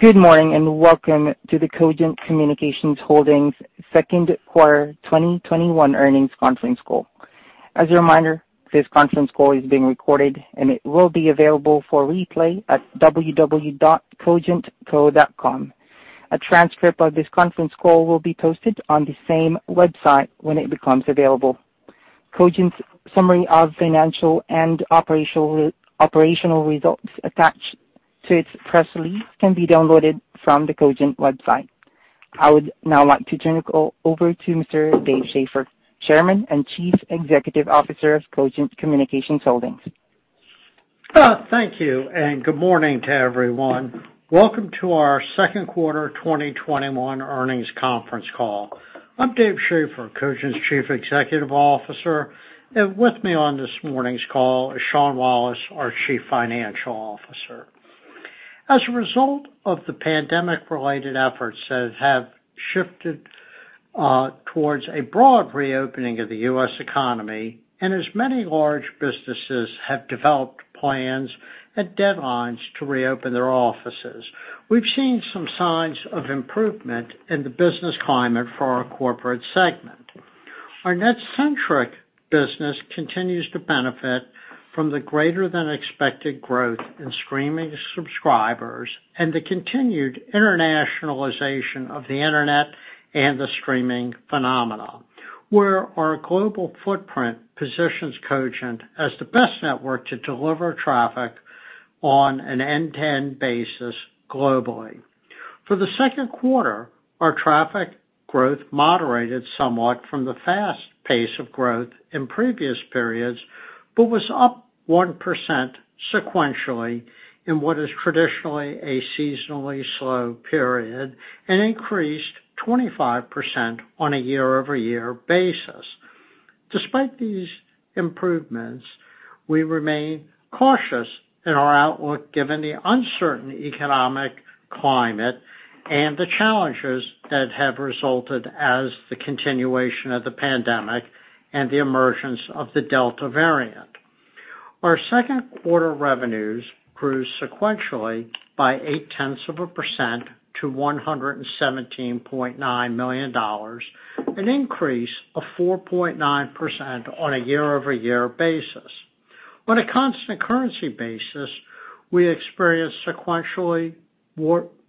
Good morning, welcome to the Cogent Communications Holdings Q2 2021 earnings conference call. As a reminder, this conference call is being recorded and it will be available for replay at www.cogentco.com. A transcript of this conference call will be posted on the same website when it becomes available. Cogent's summary of financial and operational results attached to its press release can be downloaded from the Cogent website. I would now like to turn it over to Mr. Dave Schaeffer, Chairman and Chief Executive Officer of Cogent Communications Holdings. Thank you. Good morning to everyone. Welcome to our second quarter 2021 earnings conference call. I'm Dave Schaeffer, Cogent's Chief Executive Officer, and with me on this morning's call is Sean Wallace, our Chief Financial Officer. As a result of the pandemic-related efforts that have shifted towards a broad reopening of the U.S. economy, and as many large businesses have developed plans and deadlines to reopen their offices, we've seen some signs of improvement in the business climate for our corporate segment. Our NetCentric business continues to benefit from the greater than expected growth in streaming subscribers and the continued internationalization of the internet and the streaming phenomenon, where our global footprint positions Cogent as the best network to deliver traffic on an end-to-end basis globally. For the second quarter, our traffic growth moderated somewhat from the fast pace of growth in previous periods, but was up 1% sequentially in what is traditionally a seasonally slow period and increased 25% on a year-over-year basis. Despite these improvements, we remain cautious in our outlook given the uncertain economic climate and the challenges that have resulted as the continuation of the pandemic and the emergence of the Delta variant. Our second quarter revenues grew sequentially by 0.8% to $117.9 million, an increase of 4.9% on a year-over-year basis. On a constant currency basis, we experienced sequential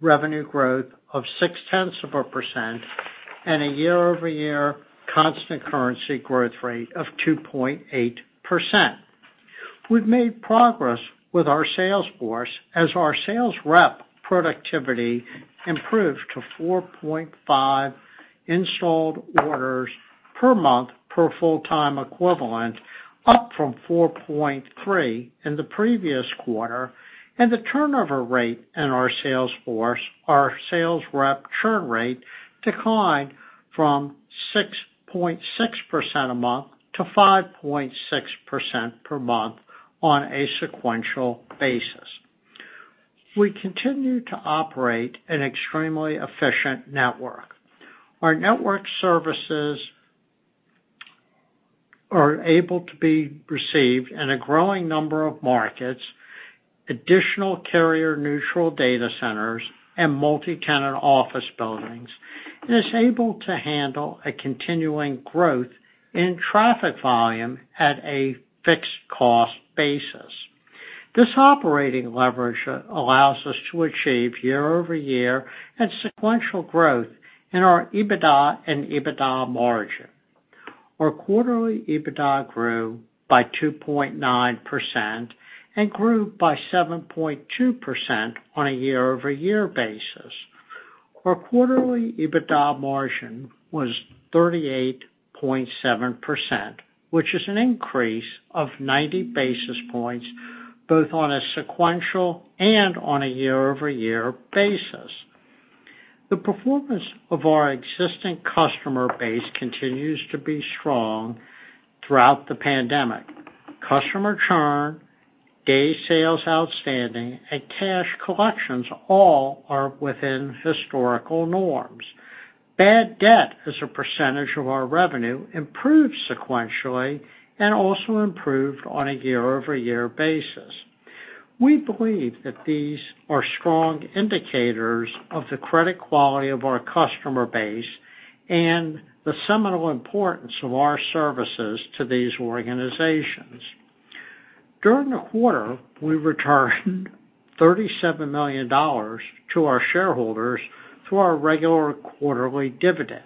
revenue growth of 0.6% and a year-over-year constant currency growth rate of 2.8%. We've made progress with our sales force as our sales rep productivity improved to 4.5 installed orders per month per full-time equivalent, up from 4.3 in the previous quarter. The turnover rate in our sales force, our sales rep churn rate, declined from 6.6% a month to 5.6% per month on a sequential basis. We continue to operate an extremely efficient network. Our network services are able to be received in a growing number of markets, additional carrier-neutral data centers, and multi-tenant office buildings, and is able to handle a continuing growth in traffic volume at a fixed cost basis. This operating leverage allows us to achieve year-over-year and sequential growth in our EBITDA and EBITDA margin. Our quarterly EBITDA grew by 2.9% and grew by 7.2% on a year-over-year basis. Our quarterly EBITDA margin was 38.7%, which is an increase of 90 basis points, both on a sequential and on a year-over-year basis. The performance of our existing customer base continues to be strong throughout the pandemic. Customer churn, days sales outstanding, and cash collections all are within historical norms. Bad debt as a percentage of our revenue improved sequentially and also improved on a year-over-year basis. We believe that these are strong indicators of the credit quality of our customer base and the seminal importance of our services to these organizations. During the quarter, we returned $37 million to our shareholders through our regular quarterly dividend.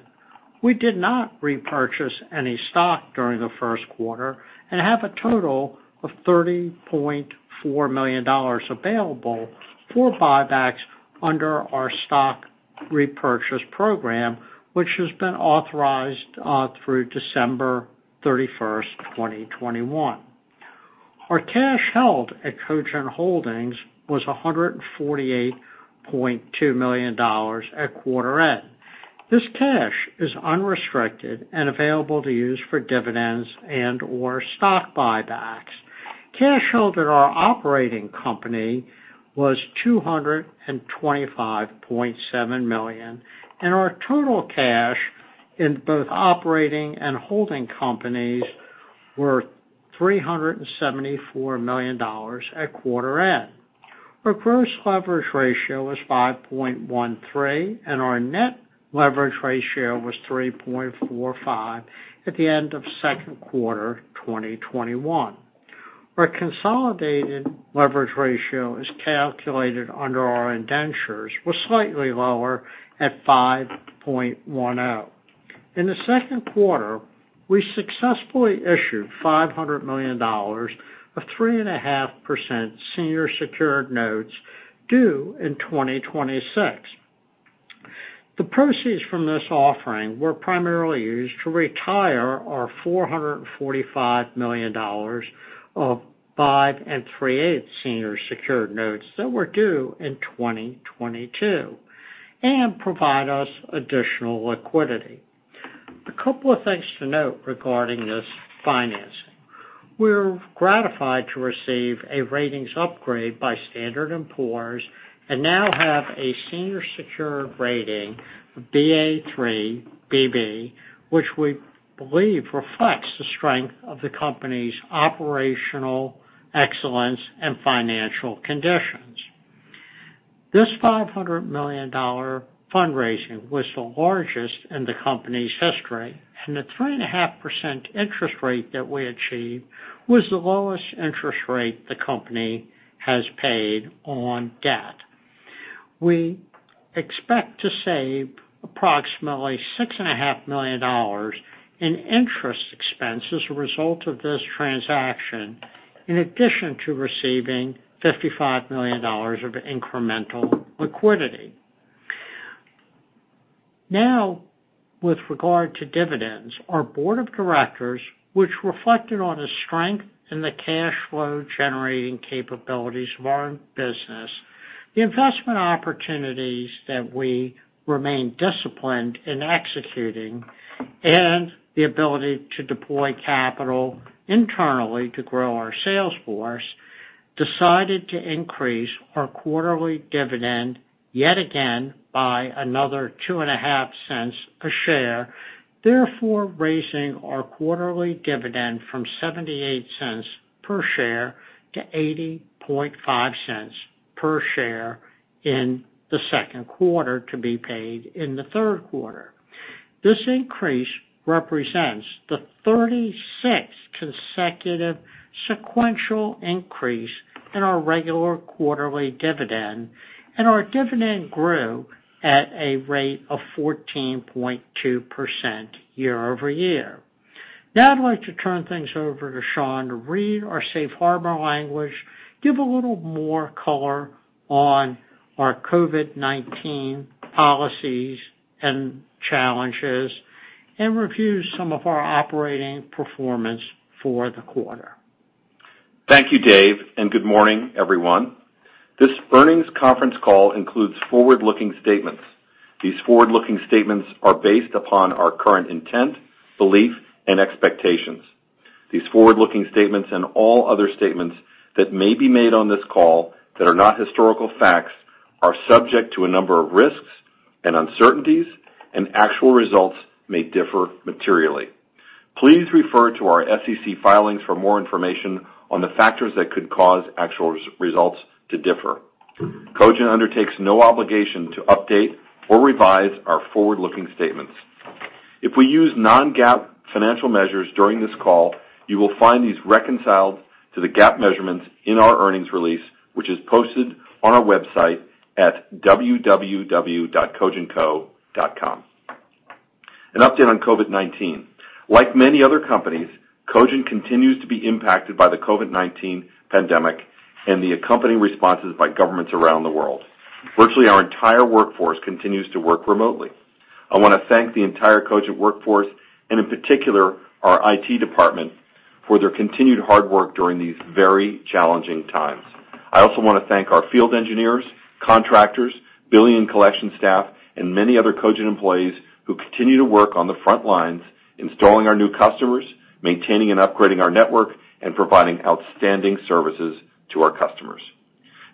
We did not repurchase any stock during the first quarter and have a total of $30.4 million available for buybacks under our stock repurchase program, which has been authorized through December 31st, 2021. Our cash held at Cogent Holdings was $148.2 million at quarter end. This cash is unrestricted and available to use for dividends and/or stock buybacks. Cash held at our operating company was $225.7 million, and our total cash in both operating and holding companies was $374 million at quarter end. Our gross leverage ratio was 5.13, and our net leverage ratio was 3.45 at the end of second quarter 2021. Our consolidated leverage ratio as calculated under our indentures was slightly lower at 5.10. In the second quarter, we successfully issued $500 million of 3.5% senior secured notes due in 2026. The proceeds from this offering were primarily used to retire our $445 million of 5 3/8% senior secured notes that were due in 2022 and provide us additional liquidity. A couple of things to note regarding this financing. We're gratified to receive a ratings upgrade by Standard & Poor's and now have a senior secured rating of Ba3/BB, which we believe reflects the strength of the company's operational excellence and financial conditions. This $500 million fundraising was the largest in the company's history. The 3.5% interest rate that we achieved was the lowest interest rate the company has paid on debt. We expect to save approximately $6.5 million in interest expense as a result of this transaction, in addition to receiving $55 million of incremental liquidity. With regard to dividends, our board of directors, which reflected on the strength and the cash flow generating capabilities of our business, the investment opportunities that we remain disciplined in executing, and the ability to deploy capital internally to grow our sales force, decided to increase our quarterly dividend yet again by another $0.025 per share. Raising our quarterly dividend from $0.78 per share to $0.805 per share in the second quarter to be paid in the third quarter. This increase represents the 36th consecutive sequential increase in our regular quarterly dividend, and our dividend grew at a rate of 14.2% year-over-year. Now, I'd like to turn things over to Sean to read our safe harbor language, give a little more color on our COVID-19 policies and challenges, and review some of our operating performance for the quarter. Thank you, Dave, and good morning, everyone. This earnings conference call includes forward-looking statements. These forward-looking statements are based upon our current intent, belief, and expectations. These forward-looking statements and all other statements that may be made on this call that are not historical facts are subject to a number of risks and uncertainties, and actual results may differ materially. Please refer to our SEC filings for more information on the factors that could cause actual results to differ. Cogent undertakes no obligation to update or revise our forward-looking statements. If we use non-GAAP financial measures during this call, you will find these reconciled to the GAAP measurements in our earnings release, which is posted on our website at www.cogentco.com. An update on COVID-19. Like many other companies, Cogent continues to be impacted by the COVID-19 pandemic and the accompanying responses by governments around the world. Virtually our entire workforce continues to work remotely. I want to thank the entire Cogent workforce, and in particular our IT department, for their continued hard work during these very challenging times. I also want to thank our field engineers, contractors, billing and collection staff, and many other Cogent employees who continue to work on the front lines, installing our new customers, maintaining and upgrading our network, and providing outstanding services to our customers.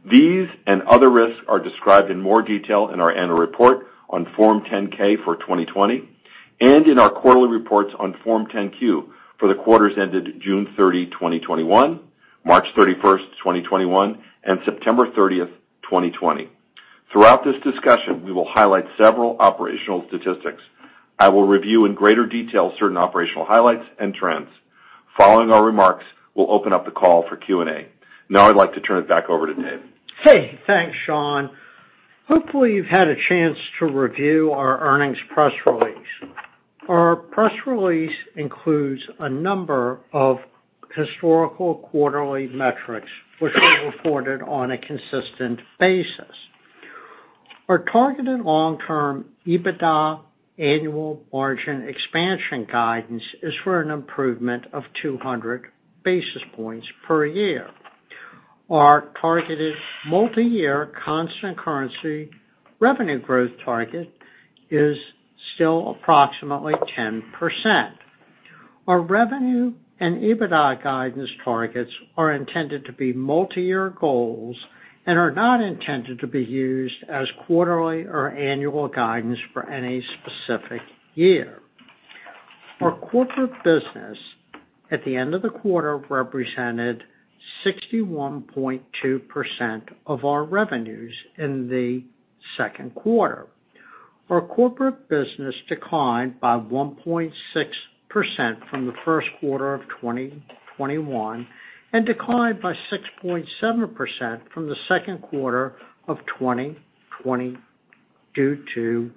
These and other risks are described in more detail in our annual report on Form 10-K for 2020 and in our quarterly reports on Form 10-Q for the quarters ended June 30, 2021, March 31, 2021, and September 30, 2020. Throughout this discussion, we will highlight several operational statistics. I will review in greater detail certain operational highlights and trends. Following our remarks, we'll open up the call for Q&A. Now I'd like to turn it back over to Dave. Hey, thanks, Sean. Hopefully, you've had a chance to review our earnings press release. Our press release includes a number of historical quarterly metrics which we reported on a consistent basis. Our targeted long-term EBITDA annual margin expansion guidance is for an improvement of 200 basis points per year. Our targeted multiyear constant currency revenue growth target is still approximately 10%. Our revenue and EBITDA guidance targets are intended to be multiyear goals and are not intended to be used as quarterly or annual guidance for any specific year. Our corporate business at the end of the quarter represented 61.2% of our revenues in the second quarter. Our corporate business declined by 1.6% from the first quarter of 2021, and declined by 6.7% from the second quarter of 2020 due to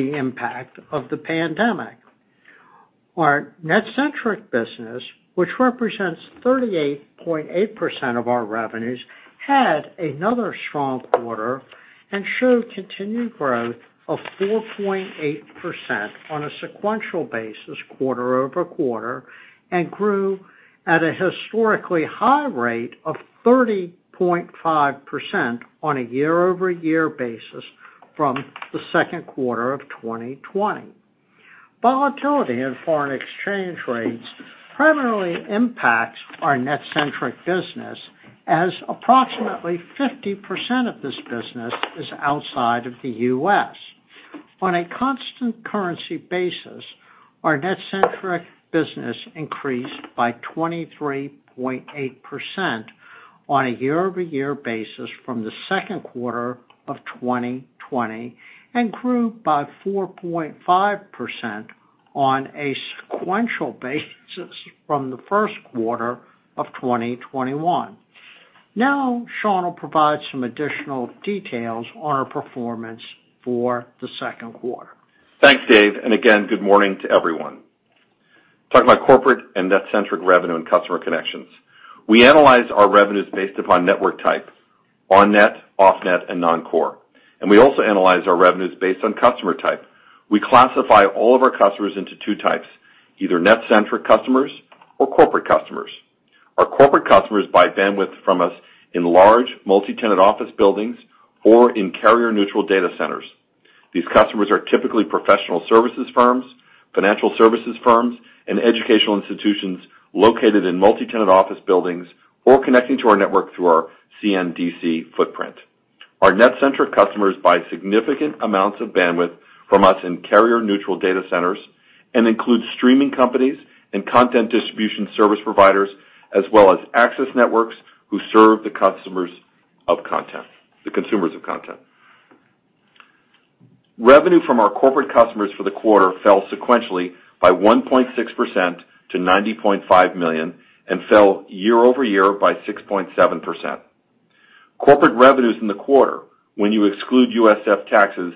the impact of the pandemic. Our NetCentric business, which represents 38.8% of our revenues, had another strong quarter and showed continued growth of 4.8% on a sequential basis quarter-over-quarter, and grew at a historically high rate of 30.5% on a year-over-year basis from the second quarter of 2020. Volatility in foreign exchange rates primarily impacts our NetCentric business, as approximately 50% of this business is outside of the U.S. On a constant currency basis, our NetCentric business increased by 23.8% on a year-over-year basis from the second quarter of 2020, and grew by 4.5% on a sequential basis from the first quarter of 2021. Now, Sean will provide some additional details on our performance for the second quarter. Thanks, Dave. Again, good morning to everyone. Talk about corporate and NetCentric revenue and customer connections. We analyze our revenues based upon network type, on-net, off-net, and non-core. We also analyze our revenues based on customer type. We classify all of our customers into two types, either NetCentric customers or corporate customers. Our corporate customers buy bandwidth from us in large multi-tenant office buildings or in carrier-neutral data centers. These customers are typically professional services firms, financial services firms, and educational institutions located in multi-tenant office buildings or connecting to our network through our CNDC footprint. Our NetCentric customers buy significant amounts of bandwidth from us in carrier-neutral data centers and include streaming companies and content distribution service providers, as well as access networks who serve the consumers of content. Revenue from our corporate customers for the quarter fell sequentially by 1.6% to $90.5 million and fell year-over-year by 6.7%. Corporate revenues in the quarter, when you exclude USF taxes,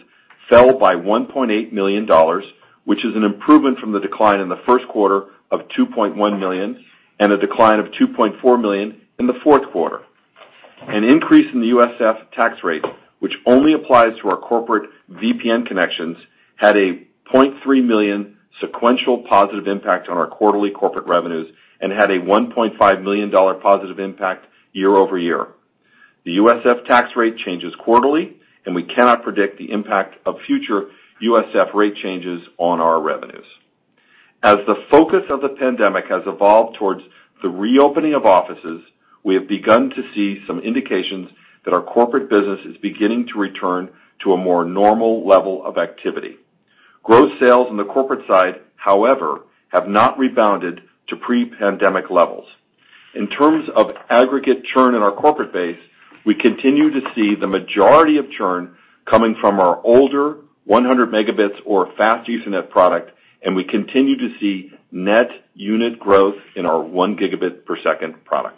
fell by $1.8 million, which is an improvement from the decline in the first quarter of $2.1 million and a decline of $2.4 million in the fourth quarter. An increase in the USF tax rate, which only applies to our corporate VPN connections, had a $0.3 million sequential positive impact on our quarterly corporate revenues and had a $1.5 million positive impact year-over-year. The USF tax rate changes quarterly. We cannot predict the impact of future USF rate changes on our revenues. As the focus of the pandemic has evolved towards the reopening of offices, we have begun to see some indications that our corporate business is beginning to return to a more normal level of activity. Growth in sales on the corporate side, however, have not rebounded to pre-pandemic levels. In terms of aggregate churn in our corporate base, we continue to see the majority of churn coming from our older 100 megabits or Fast Ethernet product, and we continue to see net unit growth in our 1 gigabit per second product.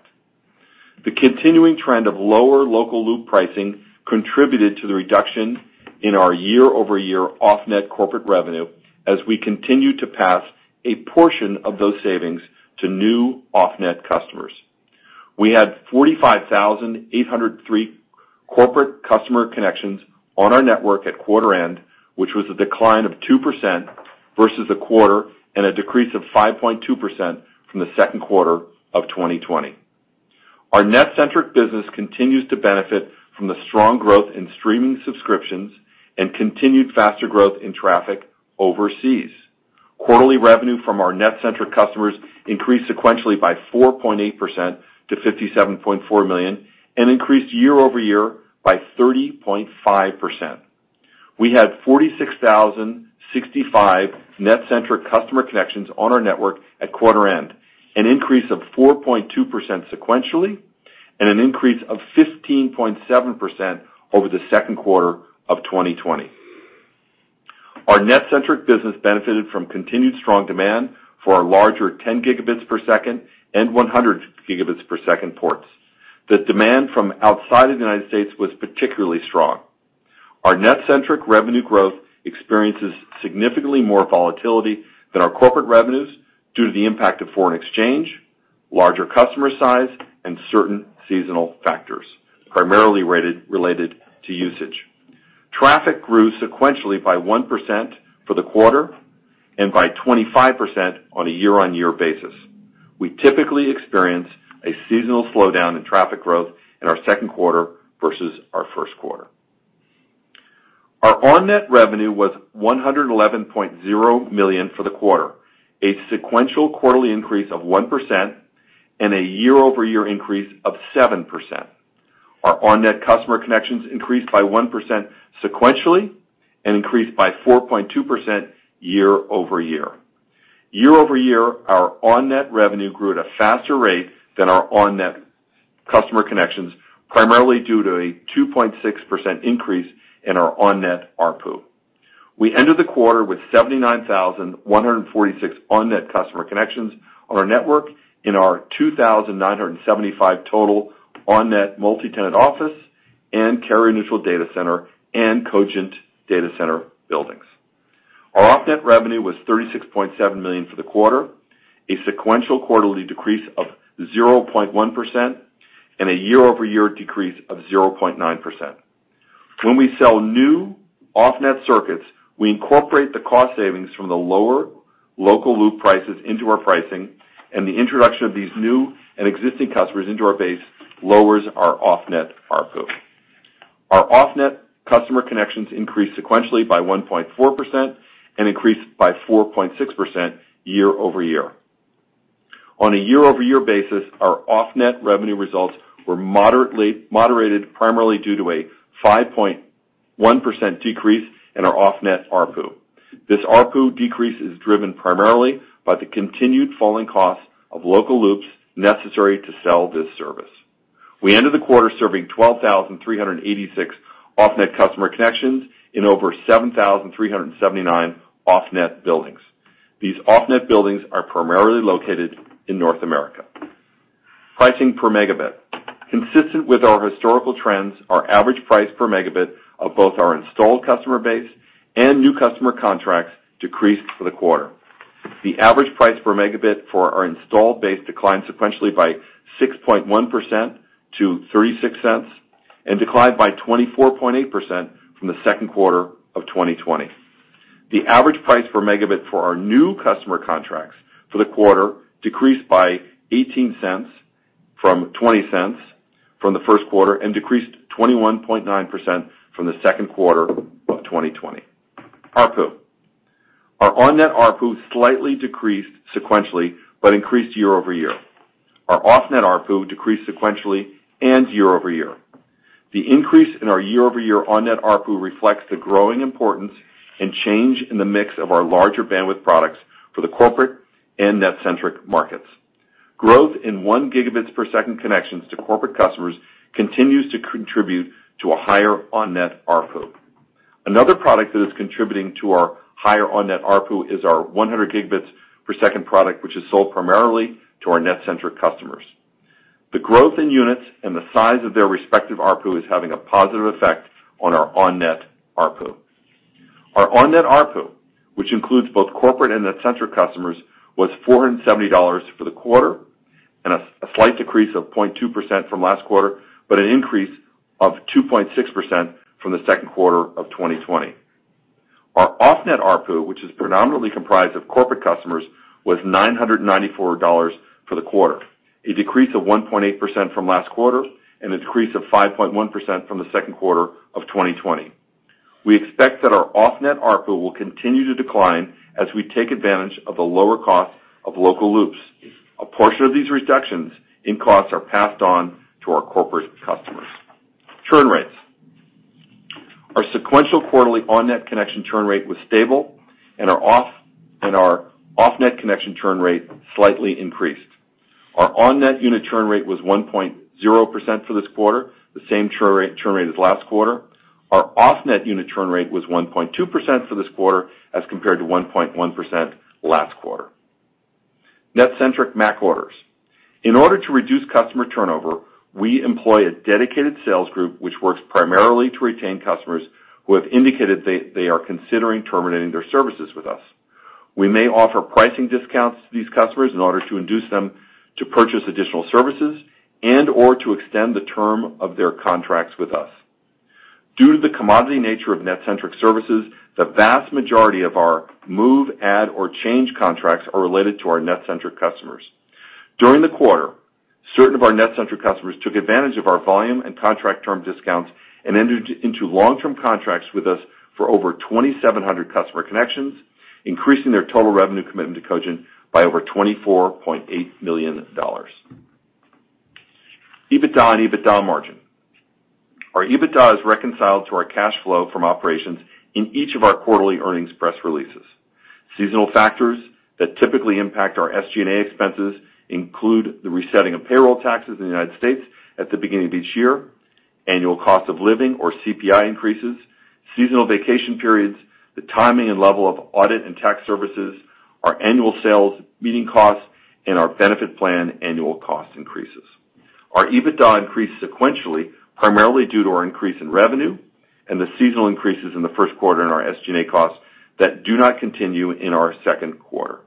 The continuing trend of lower local loop pricing contributed to the reduction in our year-over-year Off-net corporate revenue as we continue to pass a portion of those savings to new Off-net customers. We had 45,803 corporate customer connections on our network at quarter end, which was a decline of 2% versus a quarter and a decrease of 5.2% from the second quarter of 2020. Our NetCentric business continues to benefit from the strong growth in streaming subscriptions and continued faster growth in traffic overseas. Quarterly revenue from our NetCentric customers increased sequentially by 4.8% to $57.4 million and increased year-over-year by 30.5%. We had 46,065 NetCentric customer connections on our network at quarter end, an increase of 4.2% sequentially and an increase of 15.7% over the second quarter of 2020. Our NetCentric business benefited from continued strong demand for our larger 10 gigabits per second and 100 gigabits per second ports. The demand from outside of the United States was particularly strong. Our NetCentric revenue growth experiences significantly more volatility than our corporate revenues due to the impact of foreign exchange, larger customer size, and certain seasonal factors, primarily related to usage. Traffic grew sequentially by 1% for the quarter and by 25% on a year-on-year basis. We typically experience a seasonal slowdown in traffic growth in our second quarter versus our first quarter. Our On-net revenue was $111.0 million for the quarter, a sequential quarterly increase of 1% and a year-over-year increase of 7%. Our On-net customer connections increased by 1% sequentially and increased by 4.2% year-over-year. Year-over-year, our On-net revenue grew at a faster rate than our On-net customer connections, primarily due to a 2.6% increase in our On-net ARPU. We ended the quarter with 79,146 On-net customer connections on our network in our 2,975 total On-net multi-tenant office and carrier-neutral data center and Cogent data center buildings. Our off-net revenue was $36.7 million for the quarter, a sequential quarterly decrease of 0.1% and a year-over-year decrease of 0.9%. When we sell new off-net circuits, we incorporate the cost savings from the lower local loop prices into our pricing, and the introduction of these new and existing customers into our base lowers our off-net ARPU. Our off-net customer connections increased sequentially by 1.4% and increased by 4.6% year-over-year. On a year-over-year basis, our off-net revenue results were moderated primarily due to a 5.1% decrease in our off-net ARPU. This ARPU decrease is driven primarily by the continued falling costs of local loops necessary to sell this service. We ended the quarter serving 12,386 off-net customer connections in over 7,379 off-net buildings. These off-net buildings are primarily located in North America. Pricing per megabit. Consistent with our historical trends, our average price per megabit of both our installed customer base and new customer contracts decreased for the quarter. The average price per megabit for our installed base declined sequentially by 6.1% to $0.36 and declined by 24.8% from the second quarter of 2020. The average price per megabit for our new customer contracts for the quarter decreased by $0.18 from $0.20 from the first quarter and decreased 21.9% from the second quarter of 2020. ARPU. Our On-net ARPU slightly decreased sequentially but increased year-over-year. Our off-net ARPU decreased sequentially and year-over-year. The increase in our year-over-year On-net ARPU reflects the growing importance and change in the mix of our larger bandwidth products for the corporate and NetCentric markets. Growth in 1 gigabits per second connections to corporate customers continues to contribute to a higher On-net ARPU. Another product that is contributing to our higher On-net ARPU is our 100 gigabits per second product, which is sold primarily to our NetCentric customers. The growth in units and the size of their respective ARPU is having a positive effect on our On-net ARPU. Our On-net ARPU, which includes both corporate and NetCentric customers, was $470 for the quarter, and a slight decrease of 0.2% from last quarter, but an increase of 2.6% from the second quarter of 2020. Our off-net ARPU, which is predominantly comprised of corporate customers, was $994 for the quarter, a decrease of 1.8% from last quarter, and a decrease of 5.1% from the second quarter of 2020. We expect that our off-net ARPU will continue to decline as we take advantage of the lower cost of local loops. A portion of these reductions in costs are passed on to our corporate customers. Churn rates. Our sequential quarterly On-net connection churn rate was stable, and our off-net connection churn rate slightly increased. Our On-net unit churn rate was 1.0% for this quarter, the same churn rate as last quarter. Our off-net unit churn rate was 1.2% for this quarter as compared to 1.1% last quarter. NetCentric MAC orders. In order to reduce customer turnover, we employ a dedicated sales group, which works primarily to retain customers who have indicated they are considering terminating their services with us. We may offer pricing discounts to these customers in order to induce them to purchase additional services and/or to extend the term of their contracts with us. Due to the commodity nature of NetCentric services, the vast majority of our move, add, or change contracts are related to our NetCentric customers. During the quarter, certain of our NetCentric customers took advantage of our volume and contract term discounts and entered into long-term contracts with us for over 2,700 customer connections, increasing their total revenue commitment to Cogent by over $24.8 million. EBITDA and EBITDA margin. Our EBITDA is reconciled to our cash flow from operations in each of our quarterly earnings press releases. Seasonal factors that typically impact our SG&A expenses include the resetting of payroll taxes in the United States at the beginning of each year, annual cost of living or CPI increases, seasonal vacation periods, the timing and level of audit and tax services, our annual sales meeting costs, and our benefit plan annual cost increases. Our EBITDA increased sequentially, primarily due to our increase in revenue and the seasonal increases in the first quarter in our SG&A costs that do not continue in our second quarter.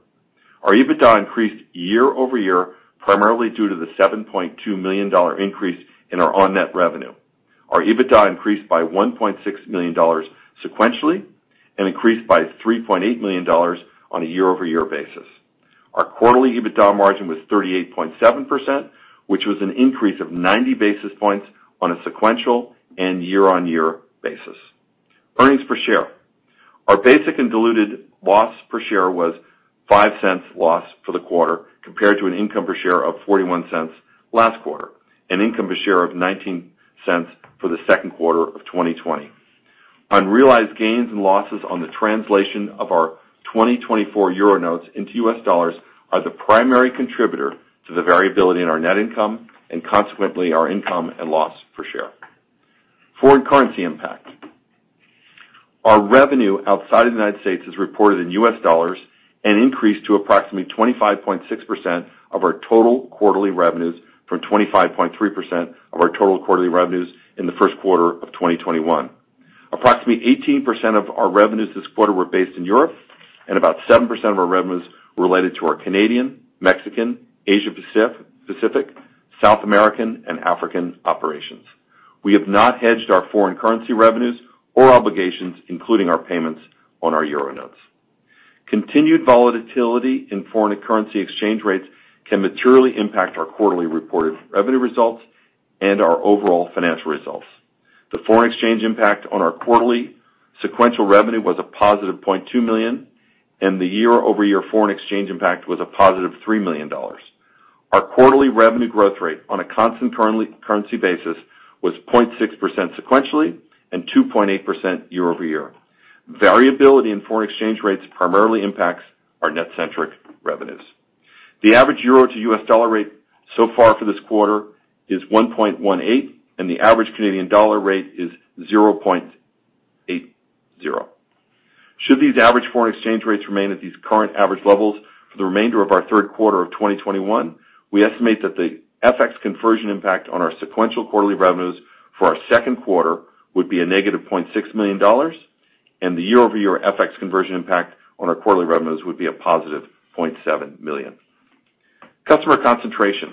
Our EBITDA increased year-over-year, primarily due to the $7.2 million increase in our On-net revenue. Our EBITDA increased by $1.6 million sequentially and increased by $3.8 million on a year-over-year basis. Our quarterly EBITDA margin was 38.7%, which was an increase of 90 basis points on a sequential and year-on-year basis. Earnings per share. Our basic and diluted loss per share was a $0.05 loss for the quarter compared to an income per share of $0.41 last quarter, an income per share of $0.19 for the second quarter of 2020. Unrealized gains and losses on the translation of our 2024 euro notes into US dollars are the primary contributor to the variability in our net income and consequently, our income and loss per share. Foreign currency impact. Our revenue outside of the United States is reported in US dollars and increased to approximately 25.6% of our total quarterly revenues from 25.3% of our total quarterly revenues in the first quarter of 2021. Approximately 18% of our revenues this quarter were based in Europe, and about 7% of our revenues were related to our Canadian, Mexican, Asia-Pacific, South American, and African operations. We have not hedged our foreign currency revenues or obligations, including our payments on our EUR notes. Continued volatility in foreign currency exchange rates can materially impact our quarterly reported revenue results and our overall financial results. The foreign exchange impact on our quarterly sequential revenue was a positive $2 million, and the year-over-year foreign exchange impact was a positive $3 million. Our quarterly revenue growth rate on a constant currency basis was 0.6% sequentially and 2.8% year-over-year. Variability in foreign exchange rates primarily impacts our NetCentric revenues. The average EUR to USD rate so far for this quarter is 1.18, and the average CAD rate is 0.80. Should these average foreign exchange rates remain at these current average levels for the remainder of our third quarter of 2021, we estimate that the FX conversion impact on our sequential quarterly revenues for our second quarter would be -$0.6 million, and the year-over-year FX conversion impact on our quarterly revenues would be +$0.7 million. Customer concentration.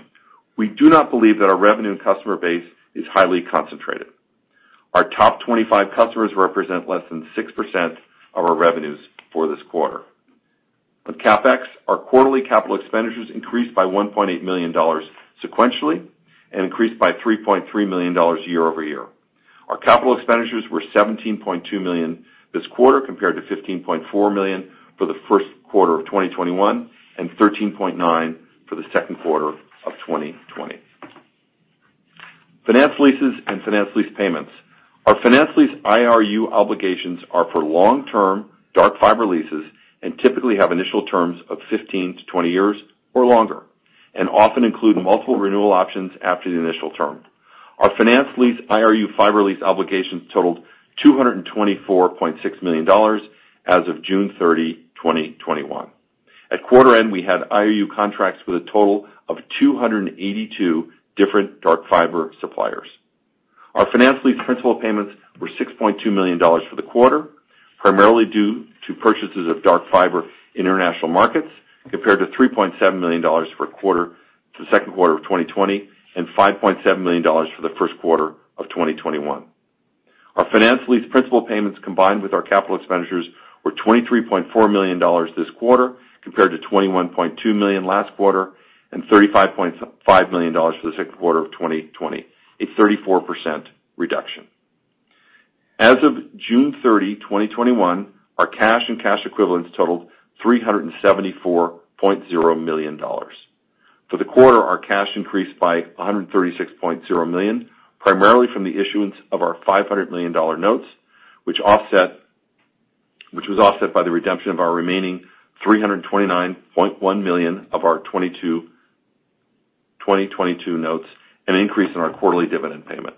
We do not believe that our revenue and customer base is highly concentrated. Our top 25 customers represent less than 6% of our revenues for this quarter. On CapEx, our quarterly capital expenditures increased by $1.8 million sequentially and increased by $3.3 million year-over-year. Our capital expenditures were $17.2 million this quarter, compared to $15.4 million for the first quarter of 2021 and $13.9 million for the second quarter of 2020. Finance leases and finance lease payments. Our finance lease IRU obligations are for long-term dark fiber leases and typically have initial terms of 15-20 years or longer and often include multiple renewal options after the initial term. Our finance lease IRU fiber lease obligations totaled $224.6 million as of June 30, 2021. At quarter end, we had IRU contracts with a total of 282 different dark fiber suppliers. Our finance lease principal payments were $6.2 million for the quarter, primarily due to purchases of dark fiber in international markets, compared to $3.7 million for the second quarter of 2020 and $5.7 million for the first quarter of 2021. Our finance lease principal payments, combined with our capital expenditures, were $23.4 million this quarter, compared to $21.2 million last quarter and $35.5 million for the second quarter of 2020, a 34% reduction. As of June 30, 2021, our cash and cash equivalents totaled $374.0 million. For the quarter, our cash increased by $136.0 million, primarily from the issuance of our $500 million notes, which was offset by the redemption of our remaining $329.1 million of our 2022 notes, an increase in our quarterly dividend payment.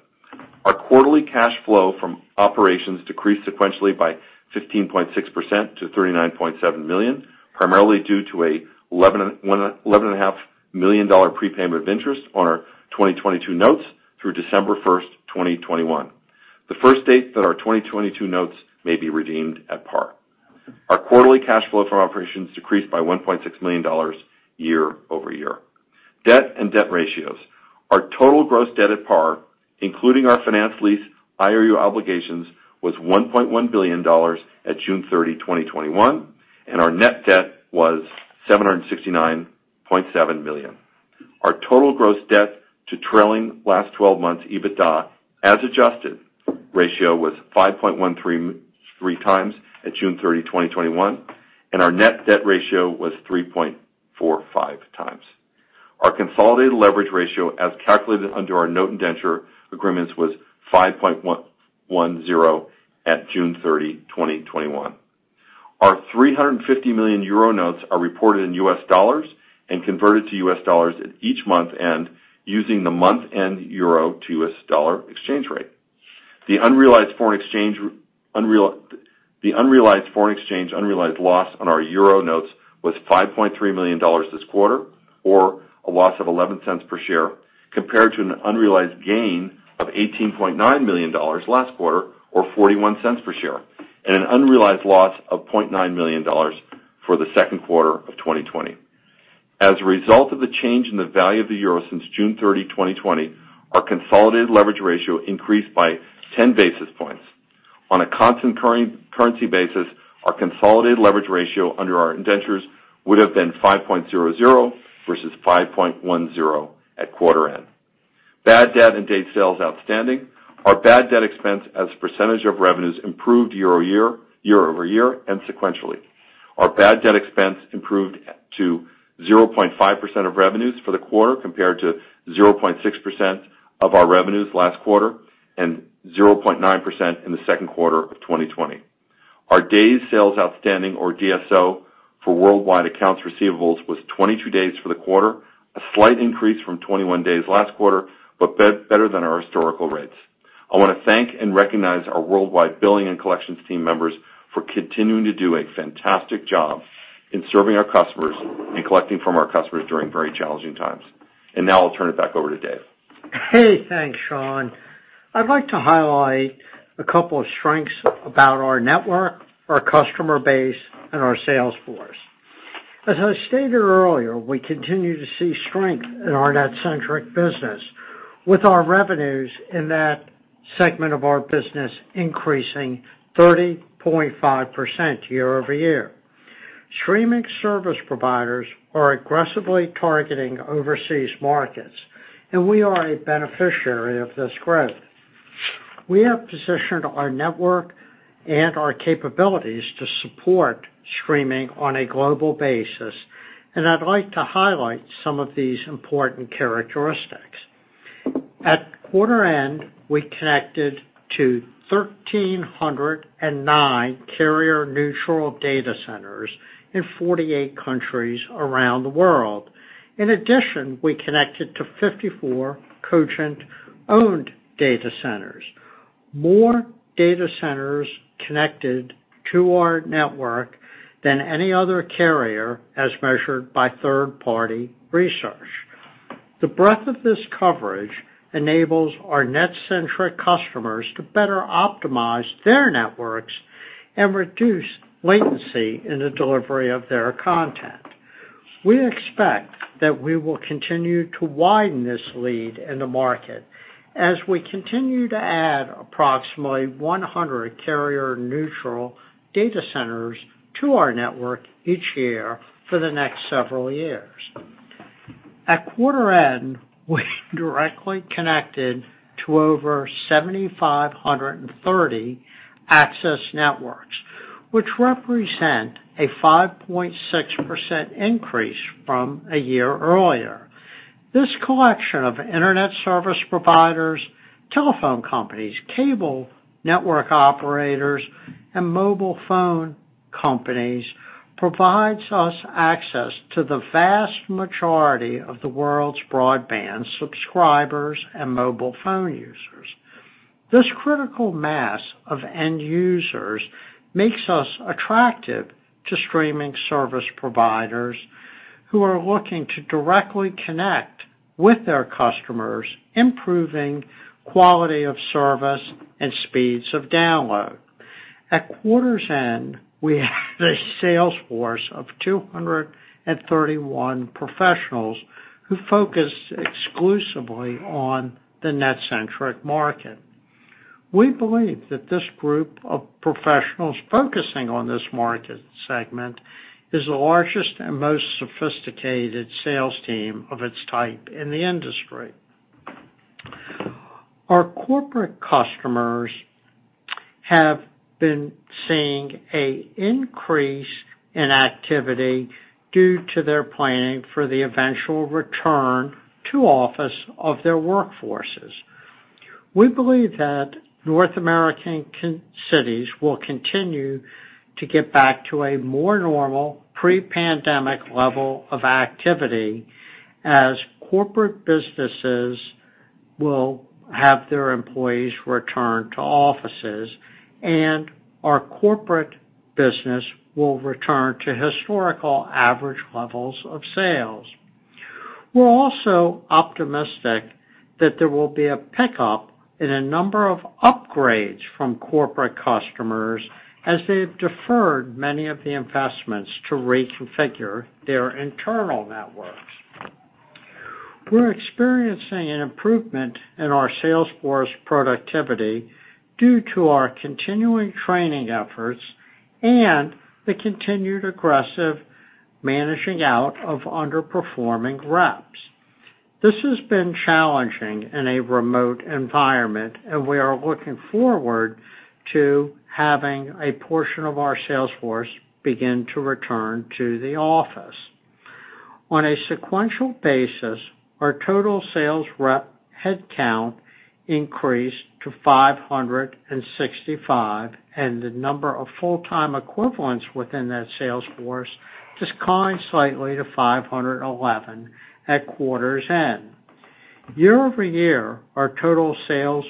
Our quarterly cash flow from operations decreased sequentially by 15.6% to $39.7 million, primarily due to a $11.5 million prepayment of interest on our 2022 notes through December 1st, 2021, the first date that our 2022 notes may be redeemed at par. Our quarterly cash flow from operations decreased by $1.6 million year-over-year. Debt and debt ratios. Our total gross debt at par, including our finance lease IRU obligations, was $1.1 billion at June 30, 2021, and our net debt was $769.7 million. Our total gross debt to trailing last 12 months EBITDA, as adjusted, ratio was 5.133 times at June 30, 2021, and our net debt ratio was 3.45 times. Our consolidated leverage ratio, as calculated under our note indenture agreements, was 5.10 at June 30, 2021. Our €350 million notes are reported in US dollars and converted to US dollars at each month-end using the month-end euro to US dollar exchange rate. The unrealized foreign exchange loss on our euro notes was $5.3 million this quarter, or a loss of $0.11 per share, compared to an unrealized gain of $18.9 million last quarter or $0.41 per share, and an unrealized loss of $0.9 million for the second quarter of 2020. As a result of the change in the value of the euro since June 30, 2020, our consolidated leverage ratio increased by 10 basis points. On a constant currency basis, our consolidated leverage ratio under our indentures would have been 5.00 versus 5.10 at quarter end. Bad debt and days sales outstanding. Our bad debt expense as a % of revenues improved year-over-year and sequentially. Our bad debt expense improved to 0.5% of revenues for the quarter compared to 0.6% of our revenues last quarter and 0.9% in the second quarter of 2020. Our days sales outstanding, or DSO, for worldwide accounts receivable was 22 days for the quarter, a slight increase from 21 days last quarter, but better than our historical rates. I want to thank and recognize our worldwide billing and collections team members for continuing to do a fantastic job in serving our customers and collecting from our customers during very challenging times. Now I'll turn it back over to Dave. Hey, thanks, Sean. I'd like to highlight a couple of strengths about our network, our customer base, and our sales force. As I stated earlier, we continue to see strength in our NetCentric business, with our revenues in that segment of our business increasing 30.5% year-over-year. Streaming service providers are aggressively targeting overseas markets, and we are a beneficiary of this growth. We have positioned our network and our capabilities to support streaming on a global basis, and I'd like to highlight some of these important characteristics. At quarter end, we connected to 1,309 carrier-neutral data centers in 48 countries around the world. In addition, we connected to 54 Cogent-owned data centers. More data centers connected to our network than any other carrier, as measured by third-party research. The breadth of this coverage enables our NetCentric customers to better optimize their networks and reduce latency in the delivery of their content. We expect that we will continue to widen this lead in the market as we continue to add approximately 100 carrier-neutral data centers to our network each year for the next several years. At quarter end, we directly connected to over 7,530 access networks, which represent a 5.6% increase from a year earlier. This collection of internet service providers, telephone companies, cable network operators, and mobile phone companies provides us access to the vast majority of the world's broadband subscribers and mobile phone users. This critical mass of end users makes us attractive to streaming service providers who are looking to directly connect with their customers, improving quality of service and speeds of download. At quarter's end, we have a sales force of 231 professionals who focus exclusively on the NetCentric market. We believe that this group of professionals focusing on this market segment is the largest and most sophisticated sales team of its type in the industry. Our corporate customers have been seeing an increase in activity due to their planning for the eventual return to office of their workforces. We believe that North American cities will continue to get back to a more normal pre-pandemic level of activity as corporate businesses will have their employees return to offices, and our corporate business will return to historical average levels of sales. We're also optimistic that there will be a pickup in a number of upgrades from corporate customers as they've deferred many of the investments to reconfigure their internal networks. We're experiencing an improvement in our sales force productivity due to our continuing training efforts and the continued aggressive managing out of underperforming reps. This has been challenging in a remote environment, and we are looking forward to having a portion of our sales force begin to return to the office. On a sequential basis, our total sales rep headcount increased to 565, and the number of full-time equivalents within that sales force declined slightly to 511 at quarter's end. Year-over-year, our total sales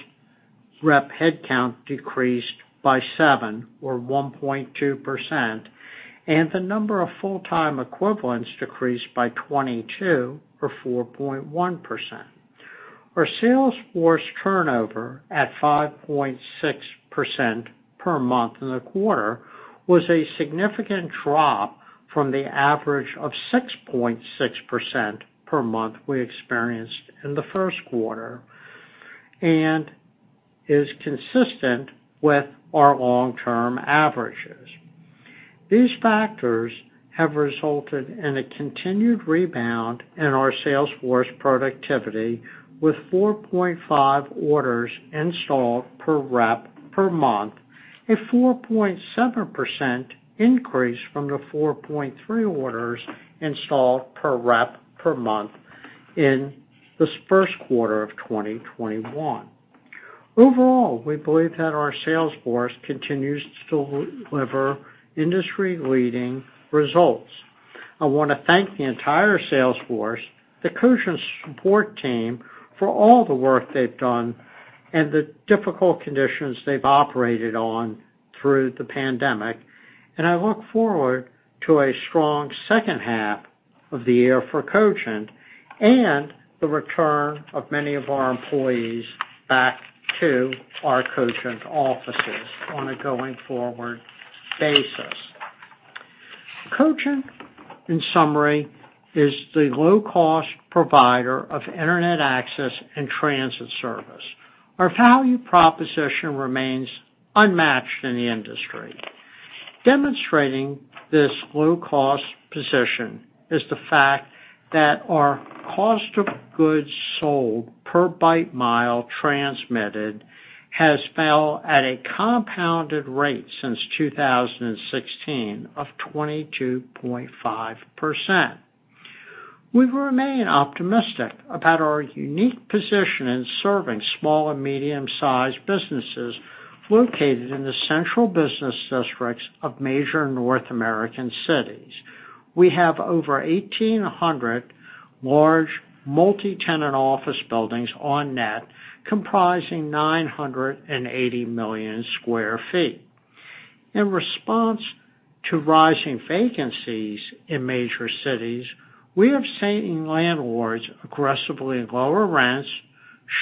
rep headcount decreased by 7, or 1.2%, and the number of full-time equivalents decreased by 22, or 4.1%. Our sales force turnover at 5.6% per month in the quarter was a significant drop from the average of 6.6% per month we experienced in the first quarter and is consistent with our long-term averages. These factors have resulted in a continued rebound in our sales force productivity with 4.5 orders installed per rep per month, a 4.7% increase from the 4.3 orders installed per rep per month in the first quarter of 2021. We believe that our sales force continues to deliver industry-leading results. I want to thank the entire sales force, the Cogent support team, for all the work they've done and the difficult conditions they've operated on through the pandemic, and I look forward to a strong second half of the year for Cogent and the return of many of our employees back to our Cogent offices on a going-forward basis. Cogent, in summary, is the low-cost provider of Internet access and transit service. Our value proposition remains unmatched in the industry. Demonstrating this low-cost position is the fact that our cost of goods sold per bit mile transmitted has fallen at a compounded rate since 2016 of 22.5%. We remain optimistic about our unique position in serving small and medium-sized businesses located in the central business districts of major North American cities. We have over 1,800 large multi-tenant office buildings on net comprising 980 million sq ft. In response to rising vacancies in major cities, we have seen landlords aggressively lower rents,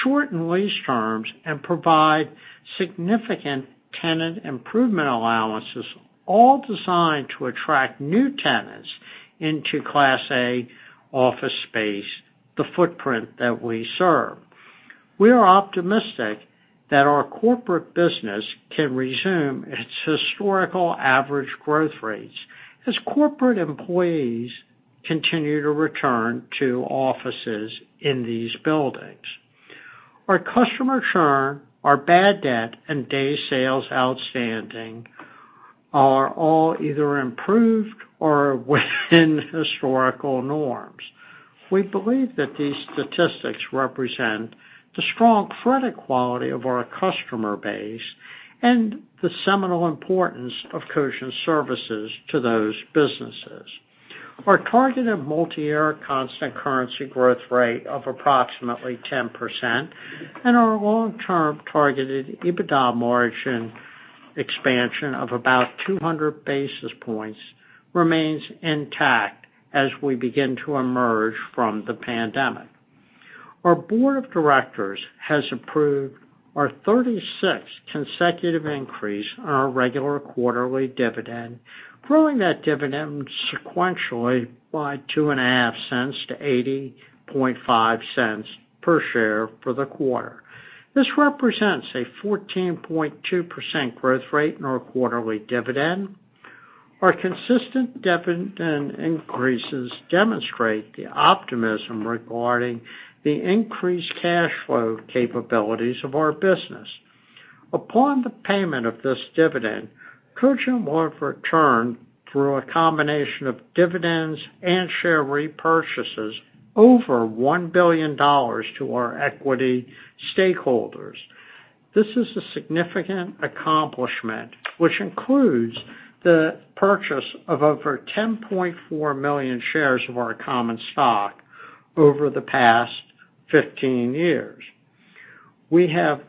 shorten lease terms, and provide significant tenant improvement allowances, all designed to attract new tenants into Class A office space, the footprint that we serve. We are optimistic that our corporate business can resume its historical average growth rates as corporate employees continue to return to offices in these buildings. Our customer churn, our bad debt, and days sales outstanding are all either improved or within historical norms. We believe that these statistics represent the strong credit quality of our customer base and the seminal importance of Cogent's services to those businesses. Our targeted multi-year constant currency growth rate of approximately 10% and our long-term targeted EBITDA margin expansion of about 200 basis points remains intact as we begin to emerge from the pandemic. Our board of directors has approved our 36th consecutive increase on our regular quarterly dividend, growing that dividend sequentially by $0.025 to $0.805 per share for the quarter. This represents a 14.2% growth rate in our quarterly dividend. Our consistent dividend increases demonstrate the optimism regarding the increased cash flow capabilities of our business. Upon the payment of this dividend, Cogent will have returned through a combination of dividends and share repurchases over $1 billion to our equity stakeholders. This is a significant accomplishment, which includes the purchase of over 10.4 million shares of our common stock over the past 15 years. We have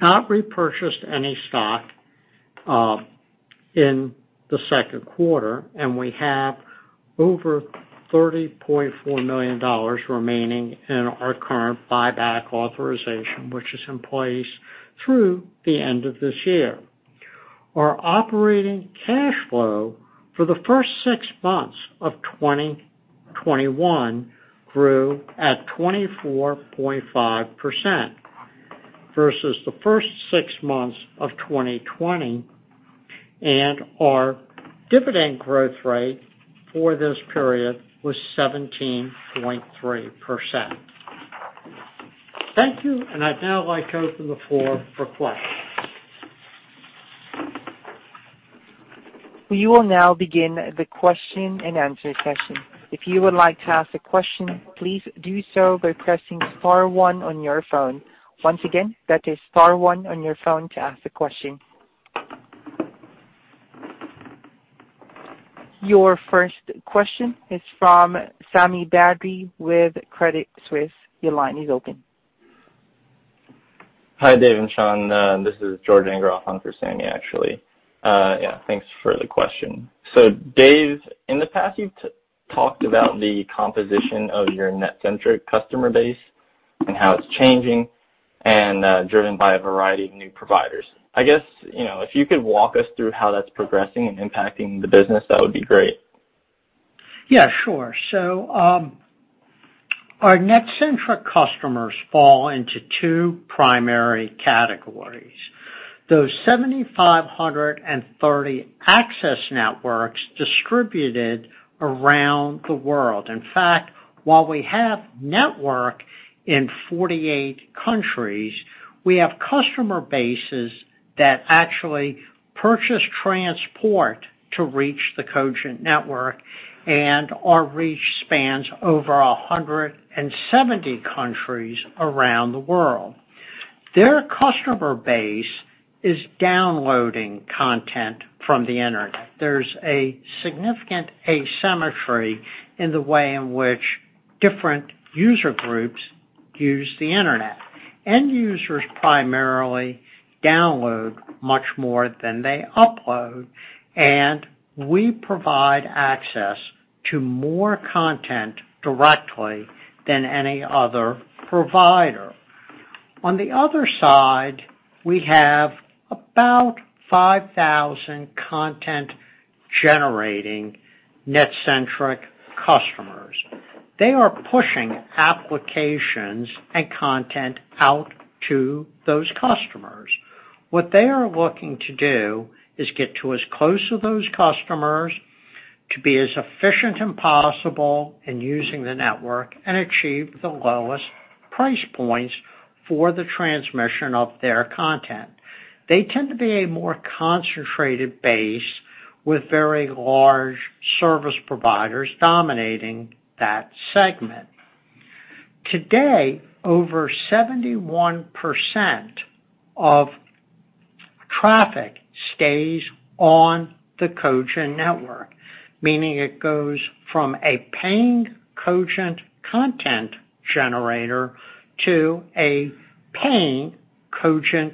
not repurchased any stock in the second quarter, and we have over $30.4 million remaining in our current buyback authorization, which is in place through the end of this year. Our operating cash flow for the first six months of 2021 grew at 24.5% versus the first six months of 2020, and our dividend growth rate for this period was 17.3%. Thank you, and I'd now like to open the floor for questions. We will now begin the question and answer session. If you would like to ask a question, please do so by pressing star one on your phone. Once again, that is star one on your phone to ask a question. Your first question is from Sami Badri with Credit Suisse. Your line is open. Hi, Dave and Sean. This is George Engroff on for Sami Badri, actually. Yeah, thanks for the question. Dave, in the past, you talked about the composition of your NetCentric customer base and how it's changing and driven by a variety of new providers. I guess, you know, if you could walk us through how that's progressing and impacting the business, that would be great. Yeah, sure. Our NetCentric customers fall into 2 primary categories. Those 7,530 access networks distributed around the world. In fact, while we have network in 48 countries, we have customer bases that actually purchase transport to reach the Cogent network, and our reach spans over 170 countries around the world. Their customer base is downloading content from the internet. There's a significant asymmetry in the way in which different user groups use the internet. End users primarily download much more than they upload, and we provide access to more content directly than any other provider. On the other side, we have about 5,000 content-generating NetCentric customers. They are pushing applications and content out to those customers. What they are looking to do is get to as close to those customers to be as efficient as possible in using the network and achieve the lowest price points for the transmission of their content. They tend to be a more concentrated base with very large service providers dominating that segment. Today, over 71% of traffic stays on the Cogent network, meaning it goes from a paying Cogent content generator to a paying Cogent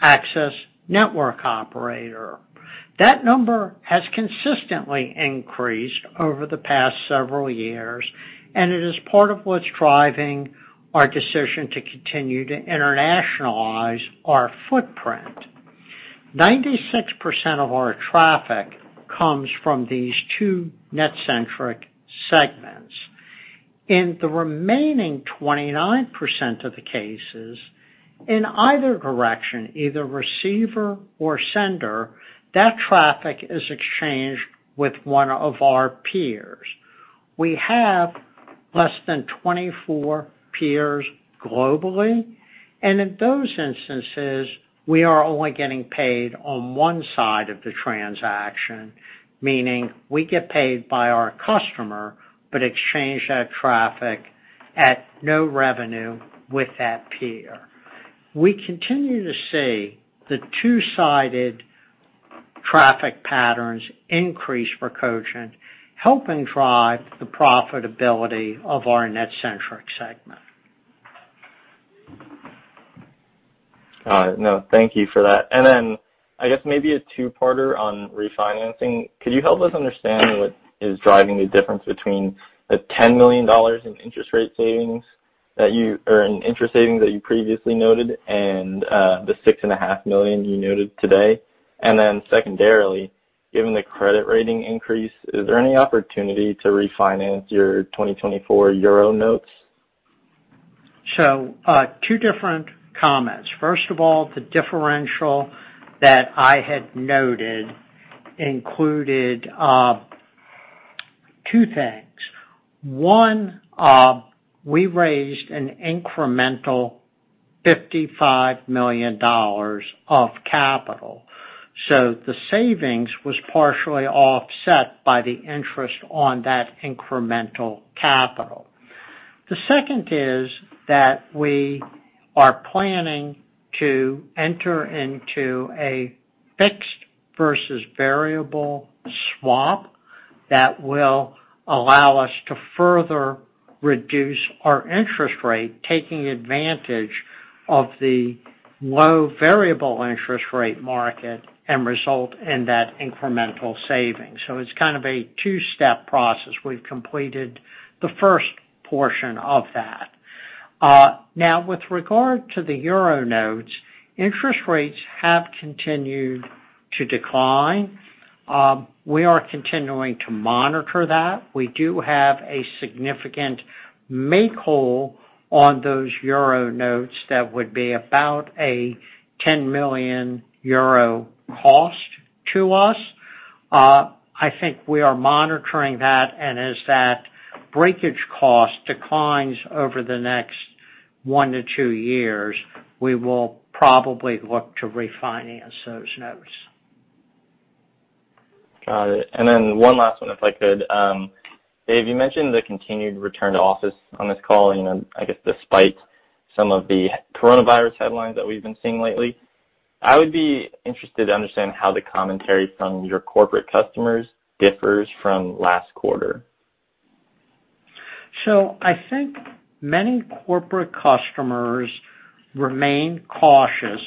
access network operator. That number has consistently increased over the past several years, and it is part of what's driving our decision to continue to internationalize our footprint. 96% of our traffic comes from these two NetCentric segments. In the remaining 29% of the cases, in either direction, either receiver or sender, that traffic is exchanged with one of our peers. We have less than 24 peers globally, and in those instances, we are only getting paid on one side of the transaction, meaning we get paid by our customer, but exchange that traffic at no revenue with that peer. We continue to see the two-sided traffic patterns increase for Cogent, helping drive the profitability of our NetCentric segment. All right, thank you for that. I guess maybe a two-parter on refinancing. Could you help us understand what is driving the difference between the $10 million in interest savings that you previously noted and the $6.5 million you noted today? Secondarily, given the credit rating increase, is there any opportunity to refinance your 2024 euro notes? Two different comments. First of all, the differential that I had noted included two things. One, we raised an incremental $55 million of capital. The savings was partially offset by the interest on that incremental capital. The second is that we are planning to enter into a fixed versus variable swap that will allow us to further reduce our interest rate, taking advantage of the low variable interest rate market and result in that incremental savings. It's kind of a two-step process. We've completed the first portion of that. With regard to the euro notes, interest rates have continued to decline. We are continuing to monitor that. We do have a significant make whole on those euro notes that would be about a €10 million cost to us. I think we are monitoring that, and as that breakage cost declines over the next 1 to 2 years, we will probably look to refinance those notes. Got it. One last one, if I could. Dave, you mentioned the continued return to office on this call, I guess despite some of the coronavirus headlines that we've been seeing lately. I would be interested to understand how the commentary from your corporate customers differs from last quarter. I think many corporate customers remain cautious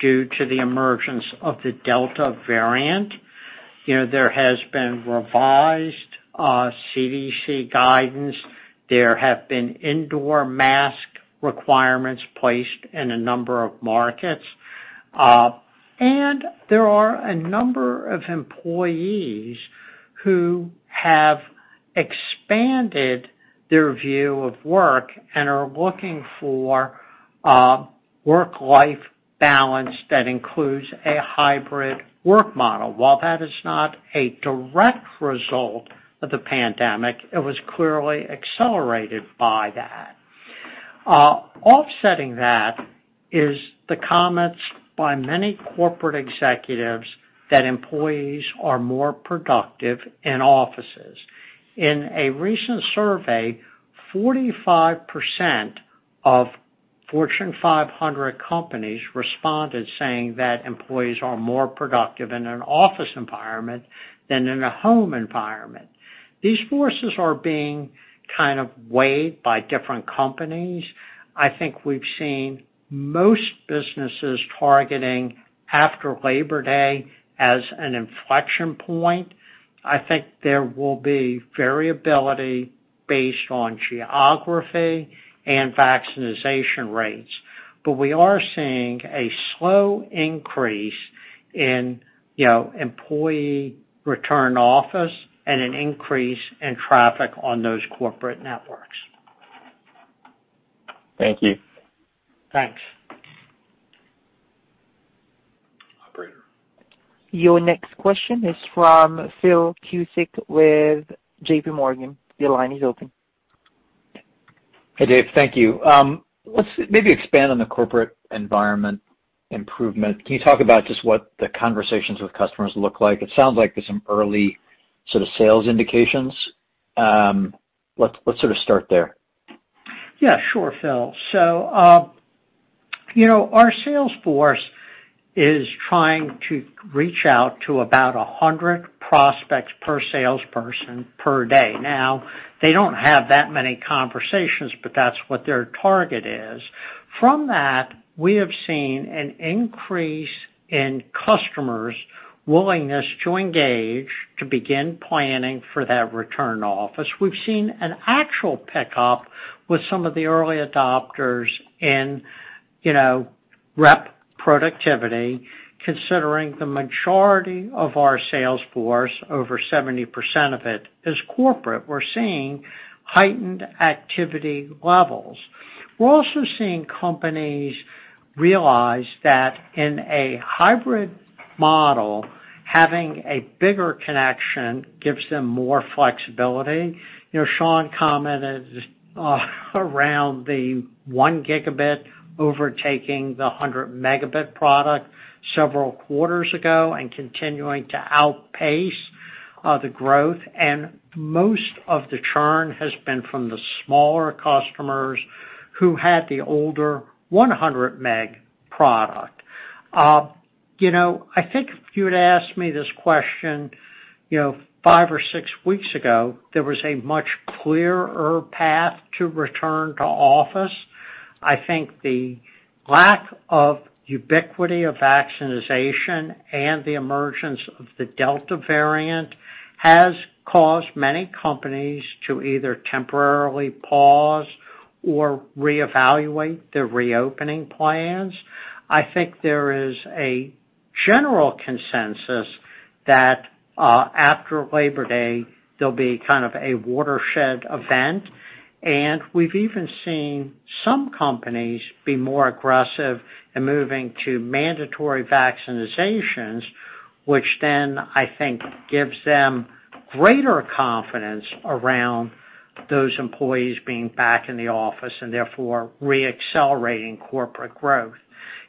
due to the emergence of the Delta variant. There has been revised CDC guidance. There have been indoor mask requirements placed in a number of markets. There are a number of employees who have expanded their view of work and are looking for work-life balance that includes a hybrid work model. While that is not a direct result of the pandemic, it was clearly accelerated by that. Offsetting that is the comments by many corporate executives that employees are more productive in offices. In a recent survey, 45% of Fortune 500 companies responded saying that employees are more productive in an office environment than in a home environment. These forces are being kind of weighed by different companies. I think we've seen most businesses targeting after Labor Day as an inflection point. I think there will be variability based on geography and vaccination rates. We are seeing a slow increase in employee return to office and an increase in traffic on those corporate networks. Thank you. Thanks. Operator. Your next question is from Philip Cusick with JPMorgan. Your line is open. Hey, Dave. Thank you. Let's maybe expand on the corporate environment improvement. Can you talk about just what the conversations with customers look like? It sounds like there's some early sort of sales indications. Let's sort of start there. Yeah, sure, Phil. Our sales force is trying to reach out to about 100 prospects per salesperson per day. They don't have that many conversations, but that's what their target is. From that, we have seen an increase in customers' willingness to engage to begin planning for that return to office. We've seen an actual pickup with some of the early adopters in rep productivity, considering the majority of our sales force, over 70% of it, is corporate. We're seeing heightened activity levels. We're also seeing companies realize that in a hybrid model, having a bigger connection gives them more flexibility. Sean commented around the 1 gigabit overtaking the 100 megabit product several quarters ago and continuing to outpace the growth, and most of the churn has been from the smaller customers who had the older 100 meg product. I think if you had asked me this question 5 or 6 weeks ago, there was a much clearer path to return to office. I think the lack of ubiquity of vaccination and the emergence of the Delta variant has caused many companies to either temporarily pause or reevaluate their reopening plans. I think there is a general consensus that after Labor Day, there'll be kind of a watershed event, and we've even seen some companies be more aggressive in moving to mandatory vaccinations, which then I think gives them greater confidence around those employees being back in the office and therefore re-accelerating corporate growth.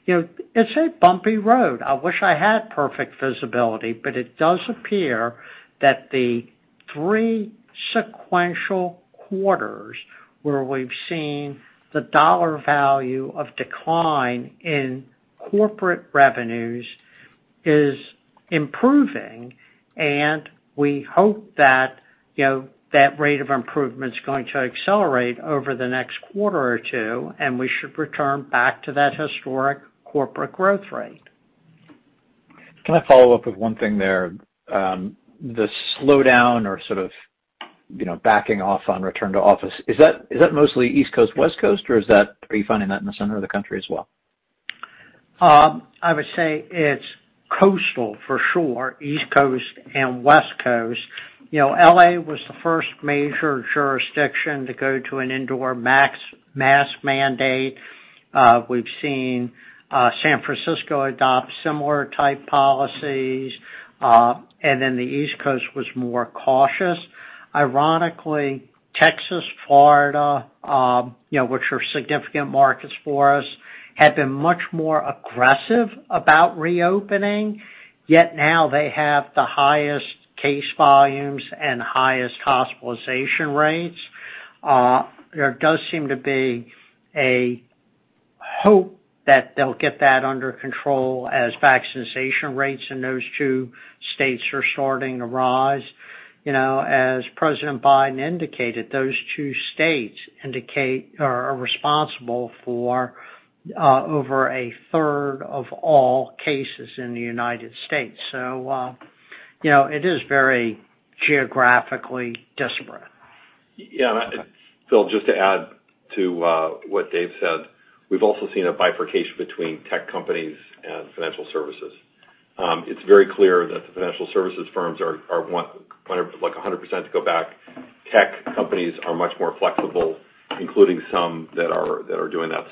It's a bumpy road. I wish I had perfect visibility, but it does appear that the 3 sequential quarters where we've seen the $ value of decline in corporate revenues is improving, and we hope that rate of improvement's going to accelerate over the next quarter or 2, and we should return back to that historic corporate growth rate. Can I follow up with one thing there? The slowdown or sort of backing off on return to office, is that mostly East Coast/West Coast, or are you finding that in the center of the country as well? I would say it's coastal for sure, East Coast and West Coast. L.A. was the first major jurisdiction to go to an indoor mask mandate. We've seen San Francisco adopt similar type policies, the East Coast was more cautious. Ironically, Texas, Florida, which are significant markets for us, have been much more aggressive about reopening, yet now they have the highest case volumes and highest hospitalization rates. There does seem to be a hope that they'll get that under control as vaccination rates in those two states are starting to rise. As President Biden indicated, those two states are responsible for over a third of all cases in the United States. It is very geographically disparate. Yeah. Phil, just to add to what Dave said, we've also seen a bifurcation between tech companies and financial services. It's very clear that the financial services firms are like 100% to go back. Tech companies are much more flexible, including some that are doing that.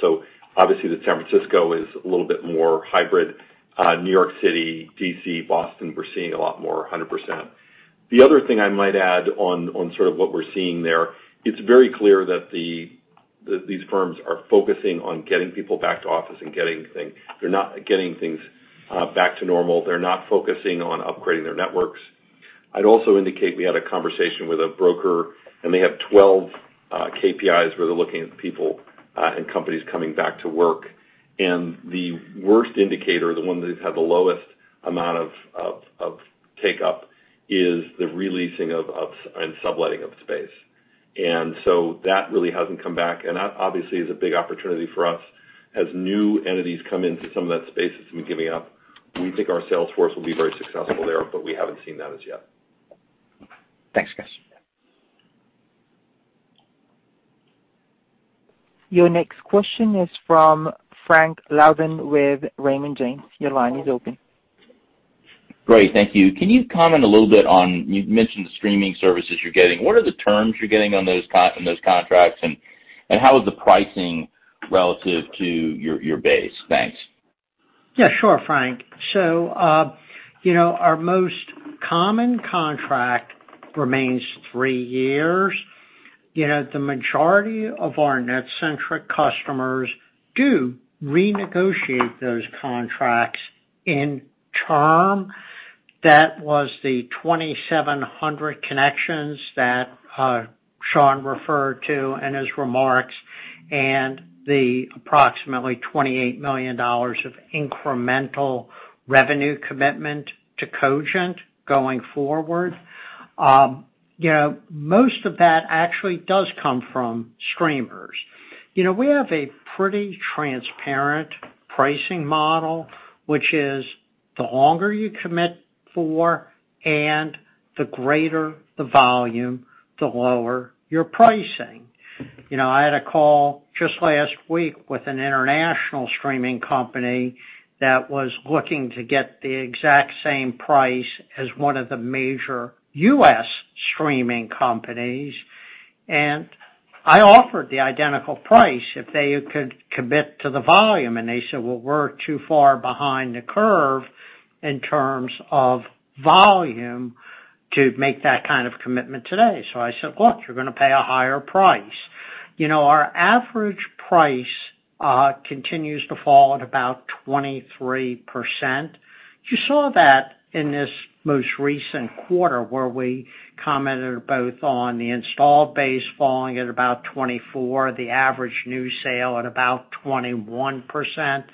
Obviously, the San Francisco is a little bit more hybrid. New York City, D.C., Boston, we're seeing a lot more 100%. The other thing I might add on sort of what we're seeing there, it's very clear that these firms are focusing on getting people back to office and getting things back to normal. They're not focusing on upgrading their networks. I'd also indicate we had a conversation with a broker, they have 12 KPIs where they're looking at people and companies coming back to work. The worst indicator, the one that has had the lowest amount of take-up is the releasing of and subletting of space. That really hasn't come back, and that obviously is a big opportunity for us as new entities come into some of that space that's been giving up. We think our sales force will be very successful there, but we haven't seen that as yet. Thanks, guys. Your next question is from Frank Louthan with Raymond James. Your line is open. Great. Thank you. Can you comment a little bit on, you've mentioned the streaming services you're getting. What are the terms you're getting in those contracts? How is the pricing relative to your base? Thanks. Yeah, sure, Frank. Our most common contract remains three years. The majority of our NetCentric customers do renegotiate those contracts in term. That was the 2,700 connections that Sean referred to in his remarks, and the approximately $28 million of incremental revenue commitment to Cogent going forward. Most of that actually does come from streamers. We have a pretty transparent pricing model, which is the longer you commit for and the greater the volume, the lower your pricing. I had a call just last week with an international streaming company that was looking to get the exact same price as one of the major U.S. streaming companies, and I offered the identical price if they could commit to the volume. They said, "Well, we're too far behind the curve in terms of volume to make that kind of commitment today." I said, "Look, you're going to pay a higher price." Our average price continues to fall at about 23%. You saw that in this most recent quarter where we commented both on the installed base falling at about 24%, the average new sale at about 21%.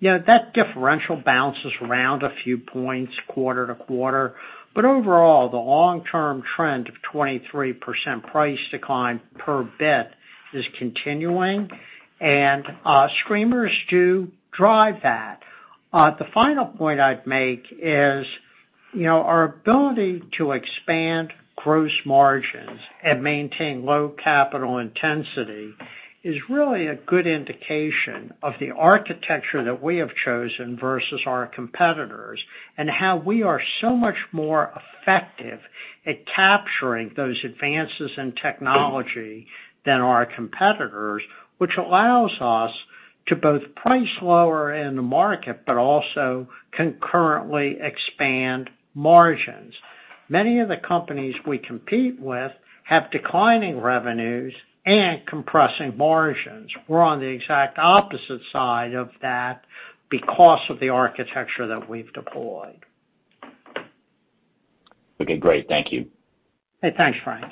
That differential bounces around a few points quarter to quarter. Overall, the long-term trend of 23% price decline per bit is continuing, and streamers do drive that. The final point I'd make is, our ability to expand gross margins and maintain low capital intensity is really a good indication of the architecture that we have chosen versus our competitors, and how we are so much more effective at capturing those advances in technology than our competitors, which allows us to both price lower in the market, but also concurrently expand margins. Many of the companies we compete with have declining revenues and compressing margins. We're on the exact opposite side of that because of the architecture that we've deployed. Okay, great. Thank you. Hey, thanks, Frank.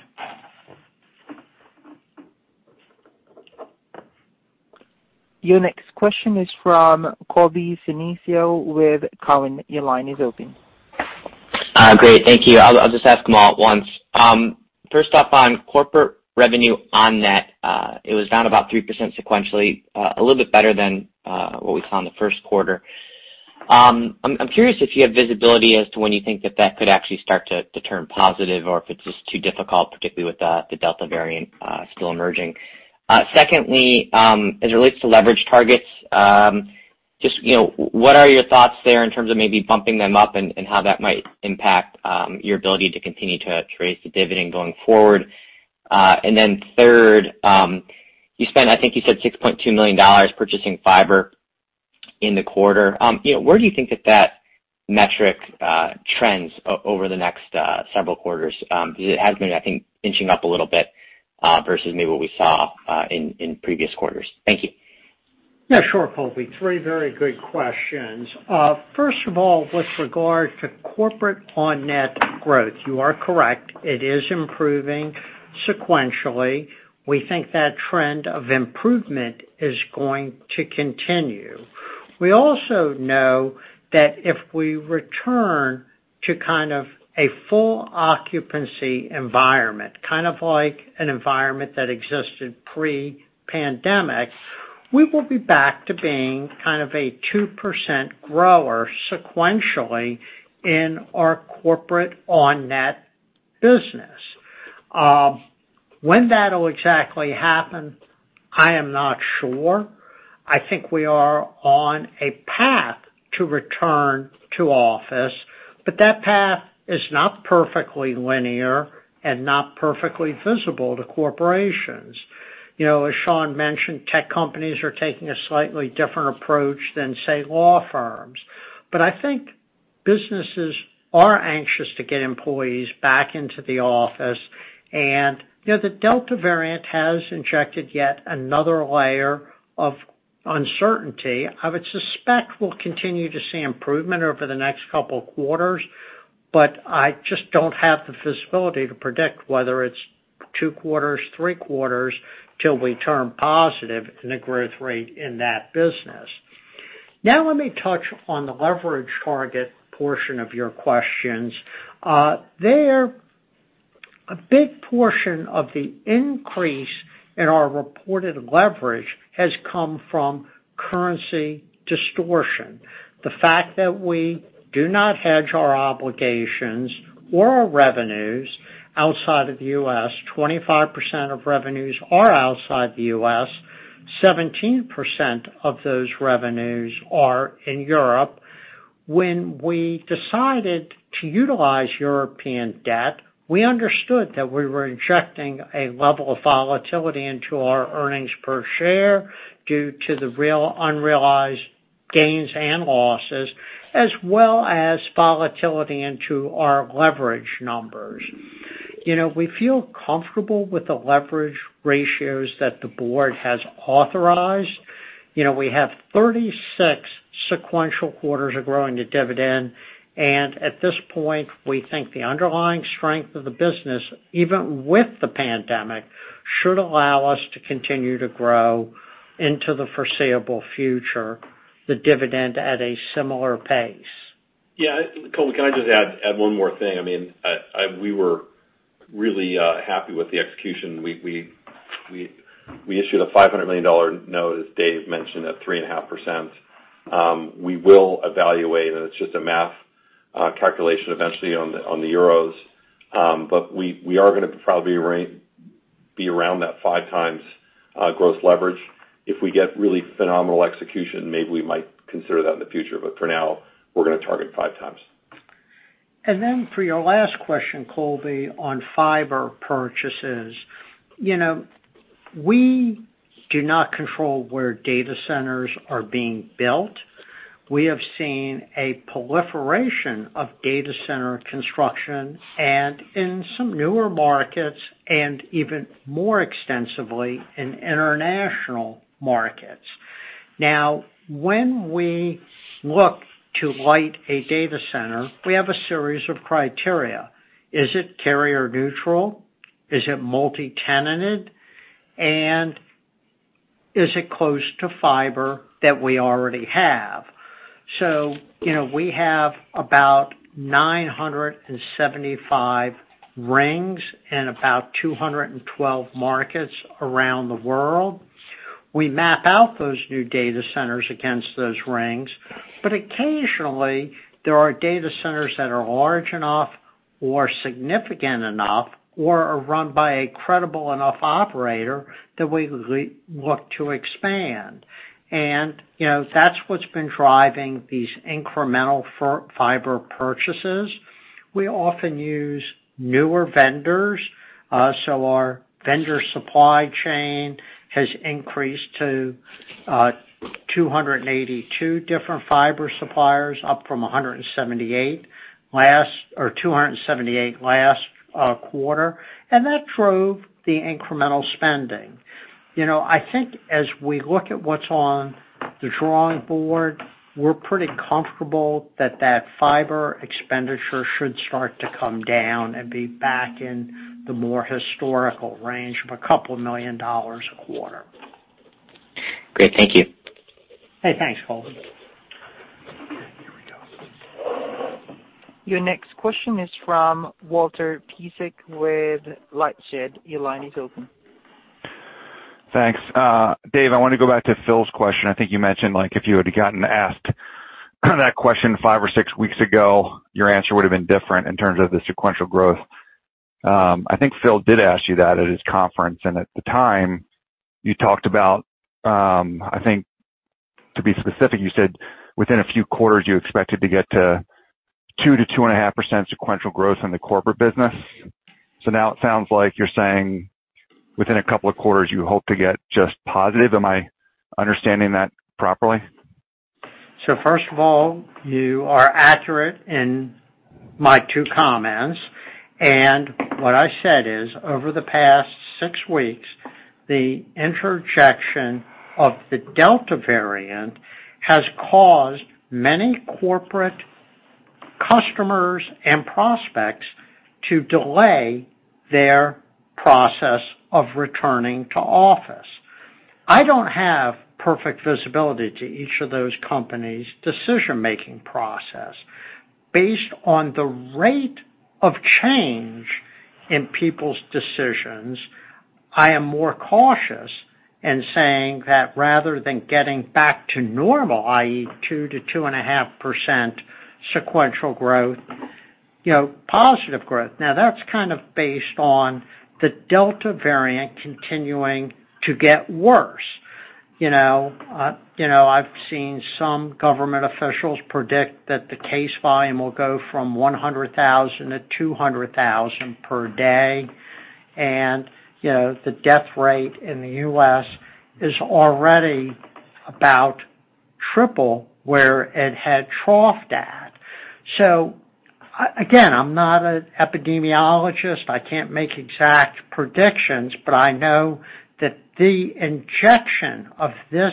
Your next question is from Colby Synesael with Cowen. Your line is open. Great. Thank you. I'll just ask them all at once. First off, on corporate revenue On-net, it was down about 3% sequentially, a little bit better than what we saw in the first quarter. I'm curious if you have visibility as to when you think that that could actually start to turn positive or if it's just too difficult, particularly with the Delta variant still emerging. Secondly, as it relates to leverage targets, just what are your thoughts there in terms of maybe bumping them up and how that might impact your ability to continue to raise the dividend going forward? Third, you spent, I think you said $6.2 million purchasing fiber in the quarter. Where do you think that that metric trends over the next several quarters? Because it has been, I think, inching up a little bit, versus maybe what we saw in previous quarters. Thank you. Yeah, sure, Colby. 3 very good questions. First of all, with regard to corporate On-net growth, you are correct. It is improving sequentially. We think that trend of improvement is going to continue. We also know that if we return to kind of a full occupancy environment, kind of like an environment that existed pre-pandemic. We will be back to being kind of a 2% grower sequentially in our corporate On-net business. When that'll exactly happen, I am not sure. I think we are on a path to return to office, but that path is not perfectly linear and not perfectly visible to corporations. As Sean mentioned, tech companies are taking a slightly different approach than, say, law firms. I think businesses are anxious to get employees back into the office, and the Delta variant has injected yet another layer of uncertainty. I would suspect we'll continue to see improvement over the next couple of quarters, but I just don't have the visibility to predict whether it's 2 quarters, 3 quarters till we turn positive in the growth rate in that business. Let me touch on the leverage target portion of your questions. A big portion of the increase in our reported leverage has come from currency distortion. The fact that we do not hedge our obligations or our revenues outside of the U.S., 25% of revenues are outside the U.S., 17% of those revenues are in Europe. When we decided to utilize European debt, we understood that we were injecting a level of volatility into our earnings per share due to the real unrealized gains and losses, as well as volatility into our leverage numbers. We feel comfortable with the leverage ratios that the board has authorized. We have 36 sequential quarters of growing the dividend, and at this point, we think the underlying strength of the business, even with the pandemic, should allow us to continue to grow into the foreseeable future, the dividend at a similar pace. Yeah. Colby, can I just add one more thing? I mean, we were really happy with the execution. We issued a $500 million note, as Dave mentioned, at 3.5%. We will evaluate, and it's just a math calculation eventually on the euros, but we are going to probably be around that 5 times gross leverage. If we get really phenomenal execution, maybe we might consider that in the future. For now, we're going to target 5 times. For your last question, Colby, on fiber purchases. We do not control where data centers are being built. We have seen a proliferation of data center construction and in some newer markets and even more extensively in international markets. When we look to light a data center, we have a series of criteria. Is it carrier neutral? Is it multi-tenanted? Is it close to fiber that we already have? We have about 975 rings in about 212 markets around the world. We map out those new data centers against those rings. Occasionally, there are data centers that are large enough or significant enough or are run by a credible enough operator that we look to expand. That's what's been driving these incremental fiber purchases. We often use newer vendors. Our vendor supply chain has increased to 282 different fiber suppliers, up from 178 or 278 last quarter, and that drove the incremental spending. I think as we look at what's on the drawing board, we're pretty comfortable that that fiber expenditure should start to come down and be back in the more historical range of a couple million dollars a quarter. Great. Thank you. Hey, thanks, Colby. Okay, here we go. Your next question is from Walter Piecyk with LightShed Partners. Your line is open. Thanks. Dave, I want to go back to Phil's question. I think you mentioned, like, if you would've gotten asked that question five or six weeks ago, your answer would've been different in terms of the sequential growth. I think Phil did ask you that at his conference. At the time you talked about, I think to be specific, you said within a few quarters you expected to get to 2%-2.5% sequential growth in the corporate business. Now it sounds like you're saying within a couple of quarters you hope to get just positive. Am I understanding that properly? First of all, you are accurate in my 2 comments. What I said is, over the past 6 weeks, the interjection of the Delta variant has caused many corporate customers and prospects to delay their process of returning to office. I don't have perfect visibility to each of those companies' decision-making process. Based on the rate of change in people's decisions, I am more cautious in saying that rather than getting back to normal, i.e., 2%-2.5% sequential growth, positive growth. That's kind of based on the Delta variant continuing to get worse. I've seen some government officials predict that the case volume will go from 100,000-200,000 per day, and the death rate in the U.S. is already about 3 times where it had troughed at. Again, I'm not an epidemiologist. I can't make exact predictions, but I know that the injection of this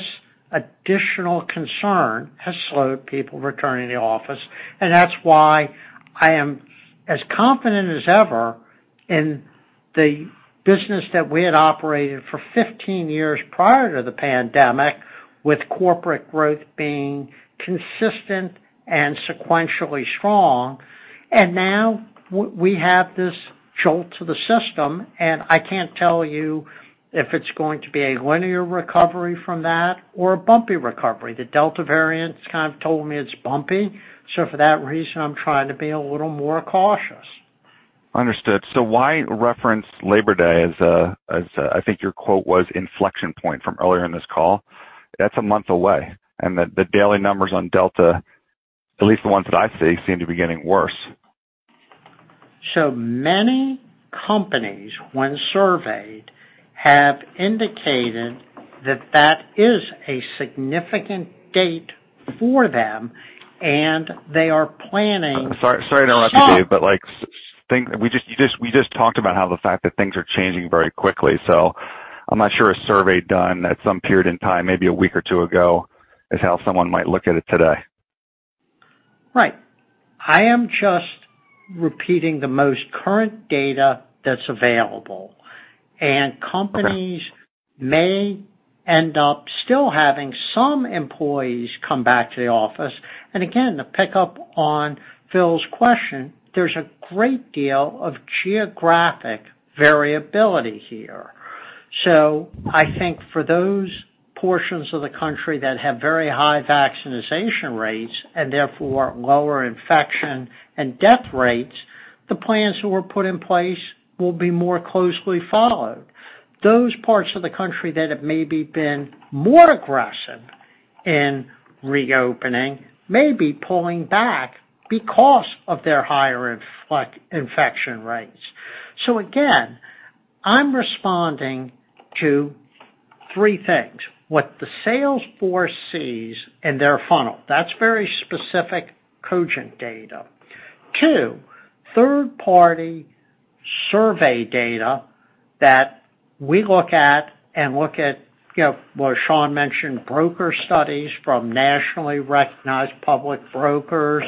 additional concern has slowed people returning to the office, and that's why I am as confident as ever in the business that we had operated for 15 years prior to the pandemic, with corporate growth being consistent and sequentially strong. Now we have this jolt to the system, and I can't tell you if it's going to be a linear recovery from that or a bumpy recovery. The Delta variant kind of told me it's bumpy. For that reason, I'm trying to be a little more cautious. Understood. Why reference Labor Day as, I think your quote was, "inflection point" from earlier in this call? That's a month away, and the daily numbers on Delta, at least the ones that I see, seem to be getting worse. Many companies, when surveyed, have indicated that that is a significant date for them. Sorry to interrupt you, Dave, but we just talked about how the fact that things are changing very quickly, so I'm not sure a survey done at some period in time, maybe a week or 2 ago, is how someone might look at it today. Right. I am just repeating the most current data that's available. Companies may end up still having some employees come back to the office. Again, to pick up on Phil's question, there's a great deal of geographic variability here. I think for those portions of the country that have very high vaccination rates, and therefore lower infection and death rates, the plans that were put in place will be more closely followed. Those parts of the country that have maybe been more aggressive in reopening may be pulling back because of their higher infection rates. Again, I'm responding to 3 things. What the sales force sees in their funnel. That's very specific Cogent data. 2, third-party survey data that we look at and look at what Sean mentioned, broker studies from nationally recognized public brokers,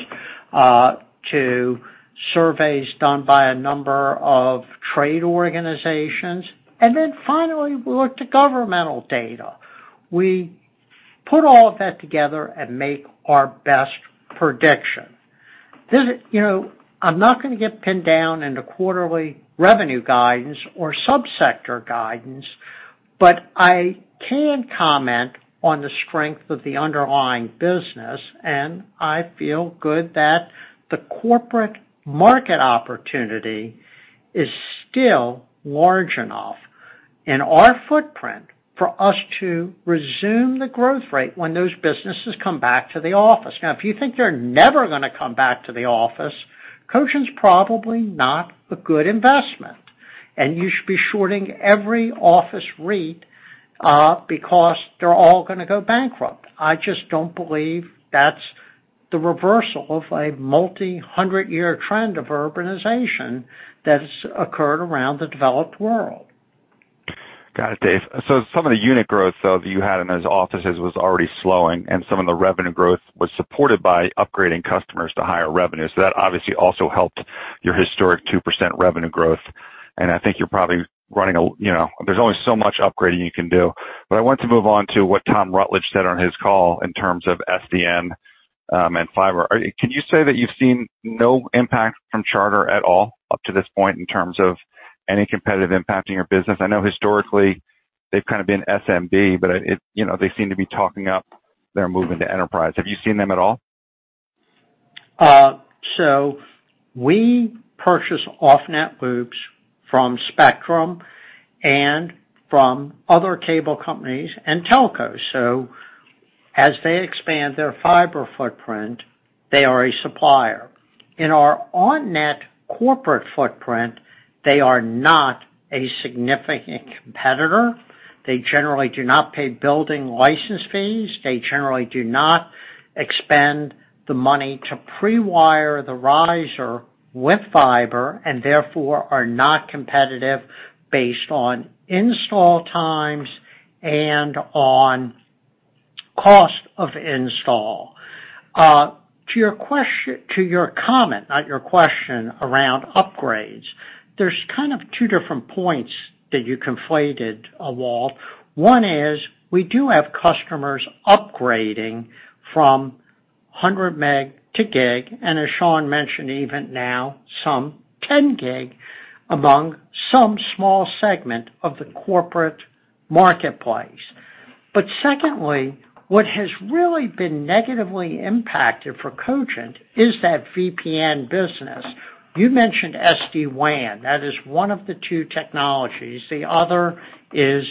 to surveys done by a number of trade organizations. Then finally, we look to governmental data. We put all of that together and make our best prediction. I'm not going to get pinned down into quarterly revenue guidance or sub-sector guidance, but I can comment on the strength of the underlying business, and I feel good that the corporate market opportunity is still large enough in our footprint for us to resume the growth rate when those businesses come back to the office. Now, if you think they're never going to come back to the office, Cogent's probably not a good investment, and you should be shorting every office REIT, because they're all going to go bankrupt. I just don't believe that's the reversal of a multi-100-year trend of urbanization that's occurred around the developed world. Got it, Dave. Some of the unit growth, though, that you had in those offices was already slowing, and some of the revenue growth was supported by upgrading customers to higher revenue. That obviously also helped your historic 2% revenue growth, and I think you're probably running a, there's only so much upgrading you can do. I want to move on to what Tom Rutledge said on his call in terms of SDN and fiber. Can you say that you've seen no impact from Charter at all up to this point in terms of any competitive impact in your business? I know historically they've kind of been SMB, but they seem to be talking up their move into enterprise. Have you seen them at all? We purchase off-net loops from Spectrum and from other cable companies and telcos. As they expand their fiber footprint, they are a supplier. In our on-net corporate footprint, they are not a significant competitor. They generally do not pay building license fees. They generally do not expend the money to pre-wire the riser with fiber, and therefore are not competitive based on install times and on cost of install. To your comment, not your question, around upgrades, there's kind of 2 different points that you conflated, Walt. 1 is we do have customers upgrading from 100 meg to gig, and as Sean mentioned, even now some 10 gig among some small segment of the corporate marketplace. Secondly, what has really been negatively impacted for Cogent is that VPN business. You mentioned SD-WAN. That is 1 of the 2 technologies. The other is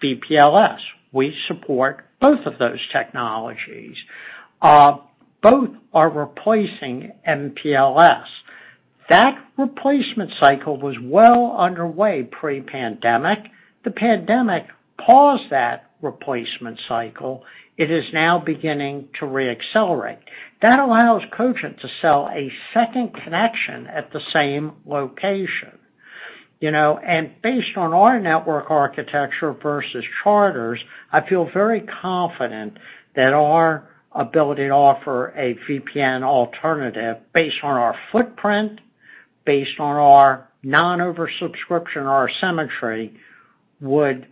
VPLS. We support both of those technologies. Both are replacing MPLS. That replacement cycle was well underway pre-pandemic. The pandemic paused that replacement cycle. It is now beginning to re-accelerate. That allows Cogent to sell a second connection at the same location. Based on our network architecture versus Charter's, I feel very confident that our ability to offer a VPN alternative based on our footprint, based on our non-oversubscription or our symmetry, would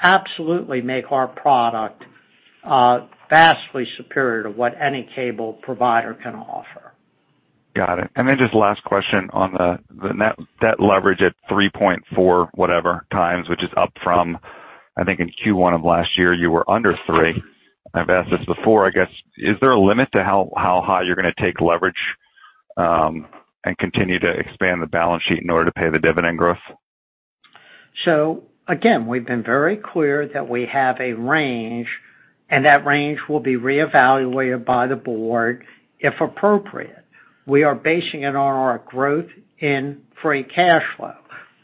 absolutely make our product vastly superior to what any cable provider can offer. Got it. Just last question on the net debt leverage at 3.4 whatever times, which is up from, I think, in Q1 of last year, you were under 3. I've asked this before, I guess, is there a limit to how high you're going to take leverage, and continue to expand the balance sheet in order to pay the dividend growth? Again, we've been very clear that we have a range, and that range will be reevaluated by the board if appropriate. We are basing it on our growth in free cash flow.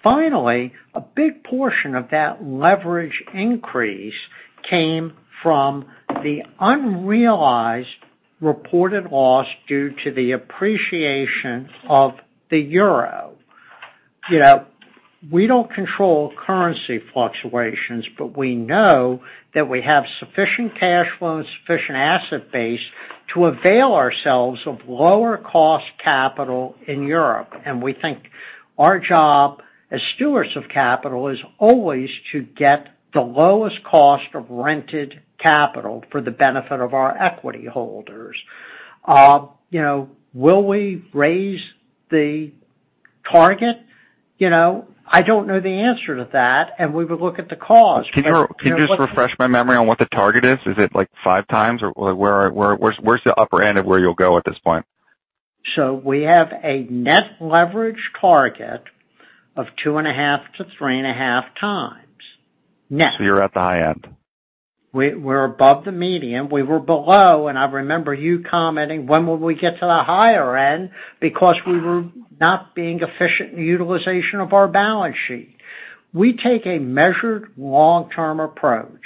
A big portion of that leverage increase came from the unrealized reported loss due to the appreciation of the euro. We don't control currency fluctuations, but we know that we have sufficient cash flow and sufficient asset base to avail ourselves of lower cost capital in Europe. We think our job as stewards of capital is always to get the lowest cost of rented capital for the benefit of our equity holders. Will we raise the target? I don't know the answer to that, and we would look at the cause. Can you just refresh my memory on what the target is? Is it like five times or where's the upper end of where you'll go at this point? We have a net leverage target of 2.5-3.5 times net. You're at the high end. We're above the medium. We were below, and I remember you commenting, when will we get to the higher end because we were not being efficient in utilization of our balance sheet. We take a measured long-term approach,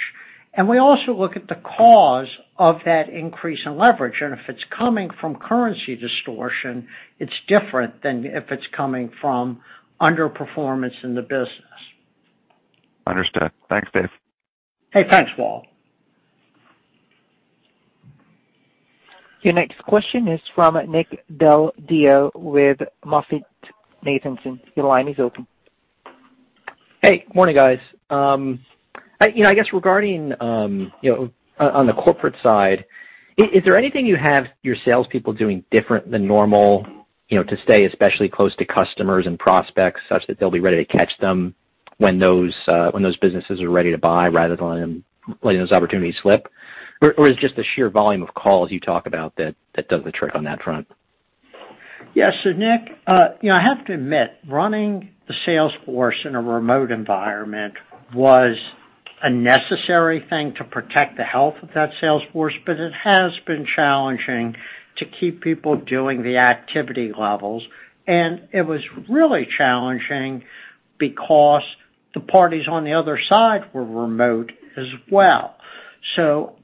and we also look at the cause of that increase in leverage, and if it's coming from currency distortion, it's different than if it's coming from underperformance in the business. Understood. Thanks, Dave. Hey, thanks, Walt. Your next question is from Nick Del Deo with MoffettNathanson. Your line is open. Hey, morning, guys. I guess regarding on the corporate side, is there anything you have your salespeople doing different than normal to stay especially close to customers and prospects such that they'll be ready to catch them when those businesses are ready to buy rather than letting those opportunities slip? Is it just the sheer volume of calls you talk about that does the trick on that front? Yeah. Nick, I have to admit, running the sales force in a remote environment was a necessary thing to protect the health of that sales force, but it has been challenging to keep people doing the activity levels. It was really challenging because the parties on the other side were remote as well.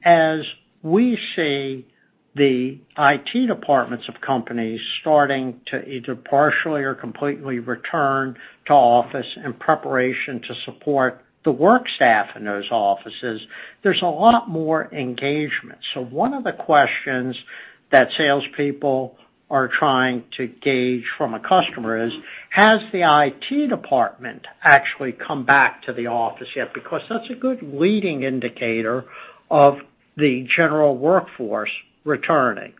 As we see the IT departments of companies starting to either partially or completely return to office in preparation to support the work staff in those offices, there's a lot more engagement. One of the questions that salespeople are trying to gauge from a customer is, has the IT department actually come back to the office yet? Because that's a good leading indicator of the general workforce returning.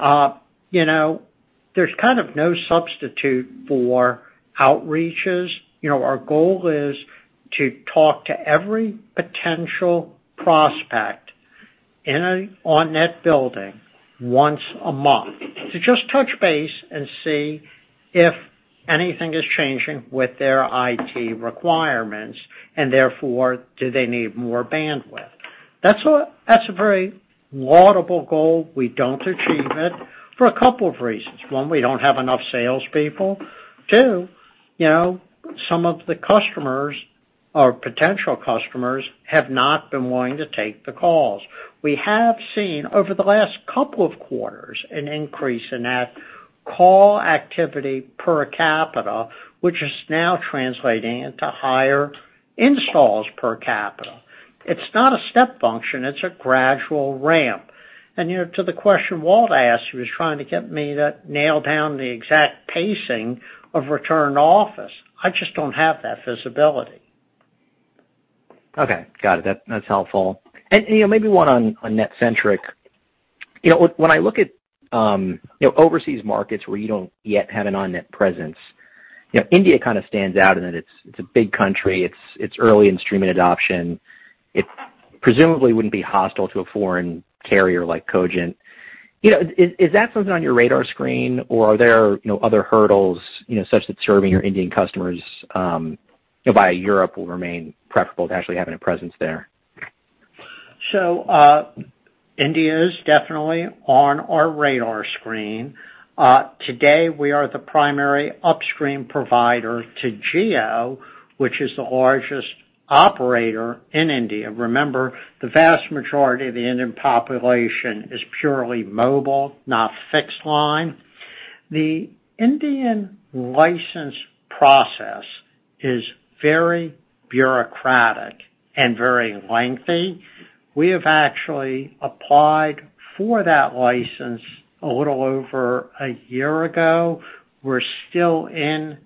There's kind of no substitute for outreaches. Our goal is to talk to every potential prospect in an On-net building once a month to just touch base and see if anything is changing with their IT requirements, and therefore, do they need more bandwidth. That's a very laudable goal. We don't achieve it for a couple of reasons. One, we don't have enough salespeople. Two, some of the customers or potential customers have not been willing to take the calls. We have seen over the last couple of quarters an increase in that call activity per capita, which is now translating into higher installs per capita. It's not a step function, it's a gradual ramp. To the question Walt asked, he was trying to get me to nail down the exact pacing of return to office. I just don't have that visibility. Okay. Got it. That's helpful. Maybe one on NetCentric. When I look at overseas markets where you don't yet have an On-net presence, India kind of stands out in that it's a big country, it's early in streaming adoption. It presumably wouldn't be hostile to a foreign carrier like Cogent. Is that something on your radar screen, or are there other hurdles, such that serving your Indian customers via Europe will remain preferable to actually having a presence there? India is definitely on our radar screen. Today, we are the primary upstream provider to Jio, which is the largest operator in India. Remember, the vast majority of the Indian population is purely mobile, not fixed line. The Indian license process is very bureaucratic and very lengthy. We have actually applied for that license a little over a year ago. We're still in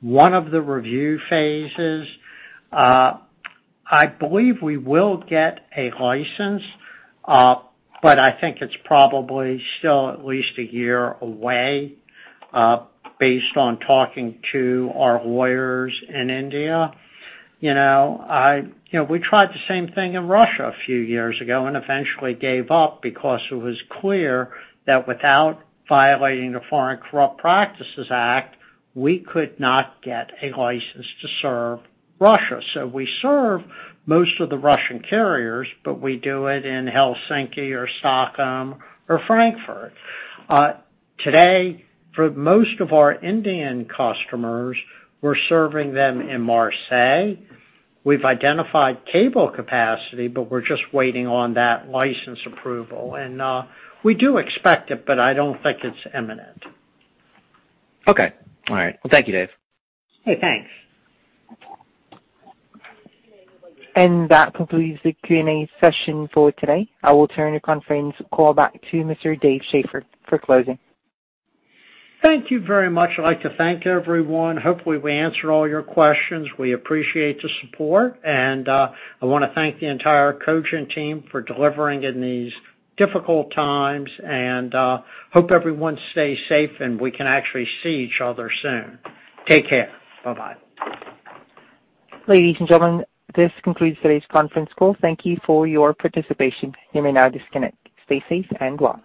one of the review phases. I believe we will get a license, but I think it's probably still at least a year away based on talking to our lawyers in India. We tried the same thing in Russia a few years ago and eventually gave up because it was clear that without violating the Foreign Corrupt Practices Act, we could not get a license to serve Russia. We serve most of the Russian carriers, but we do it in Helsinki or Stockholm or Frankfurt. Today, for most of our Indian customers, we're serving them in Marseille. We've identified cable capacity, but we're just waiting on that license approval, and we do expect it, but I don't think it's imminent. Okay. All right. Well, thank you, Dave. Okay, thanks. That concludes the Q&A session for today. I will turn the conference call back to Mr. Dave Schaeffer for closing. Thank you very much. I'd like to thank everyone. Hopefully, we answered all your questions. We appreciate the support, and I want to thank the entire Cogent team for delivering in these difficult times, and hope everyone stays safe and we can actually see each other soon. Take care. Bye-bye. Ladies and gentlemen, this concludes today's conference call. Thank you for your participation. You may now disconnect. Stay safe and well.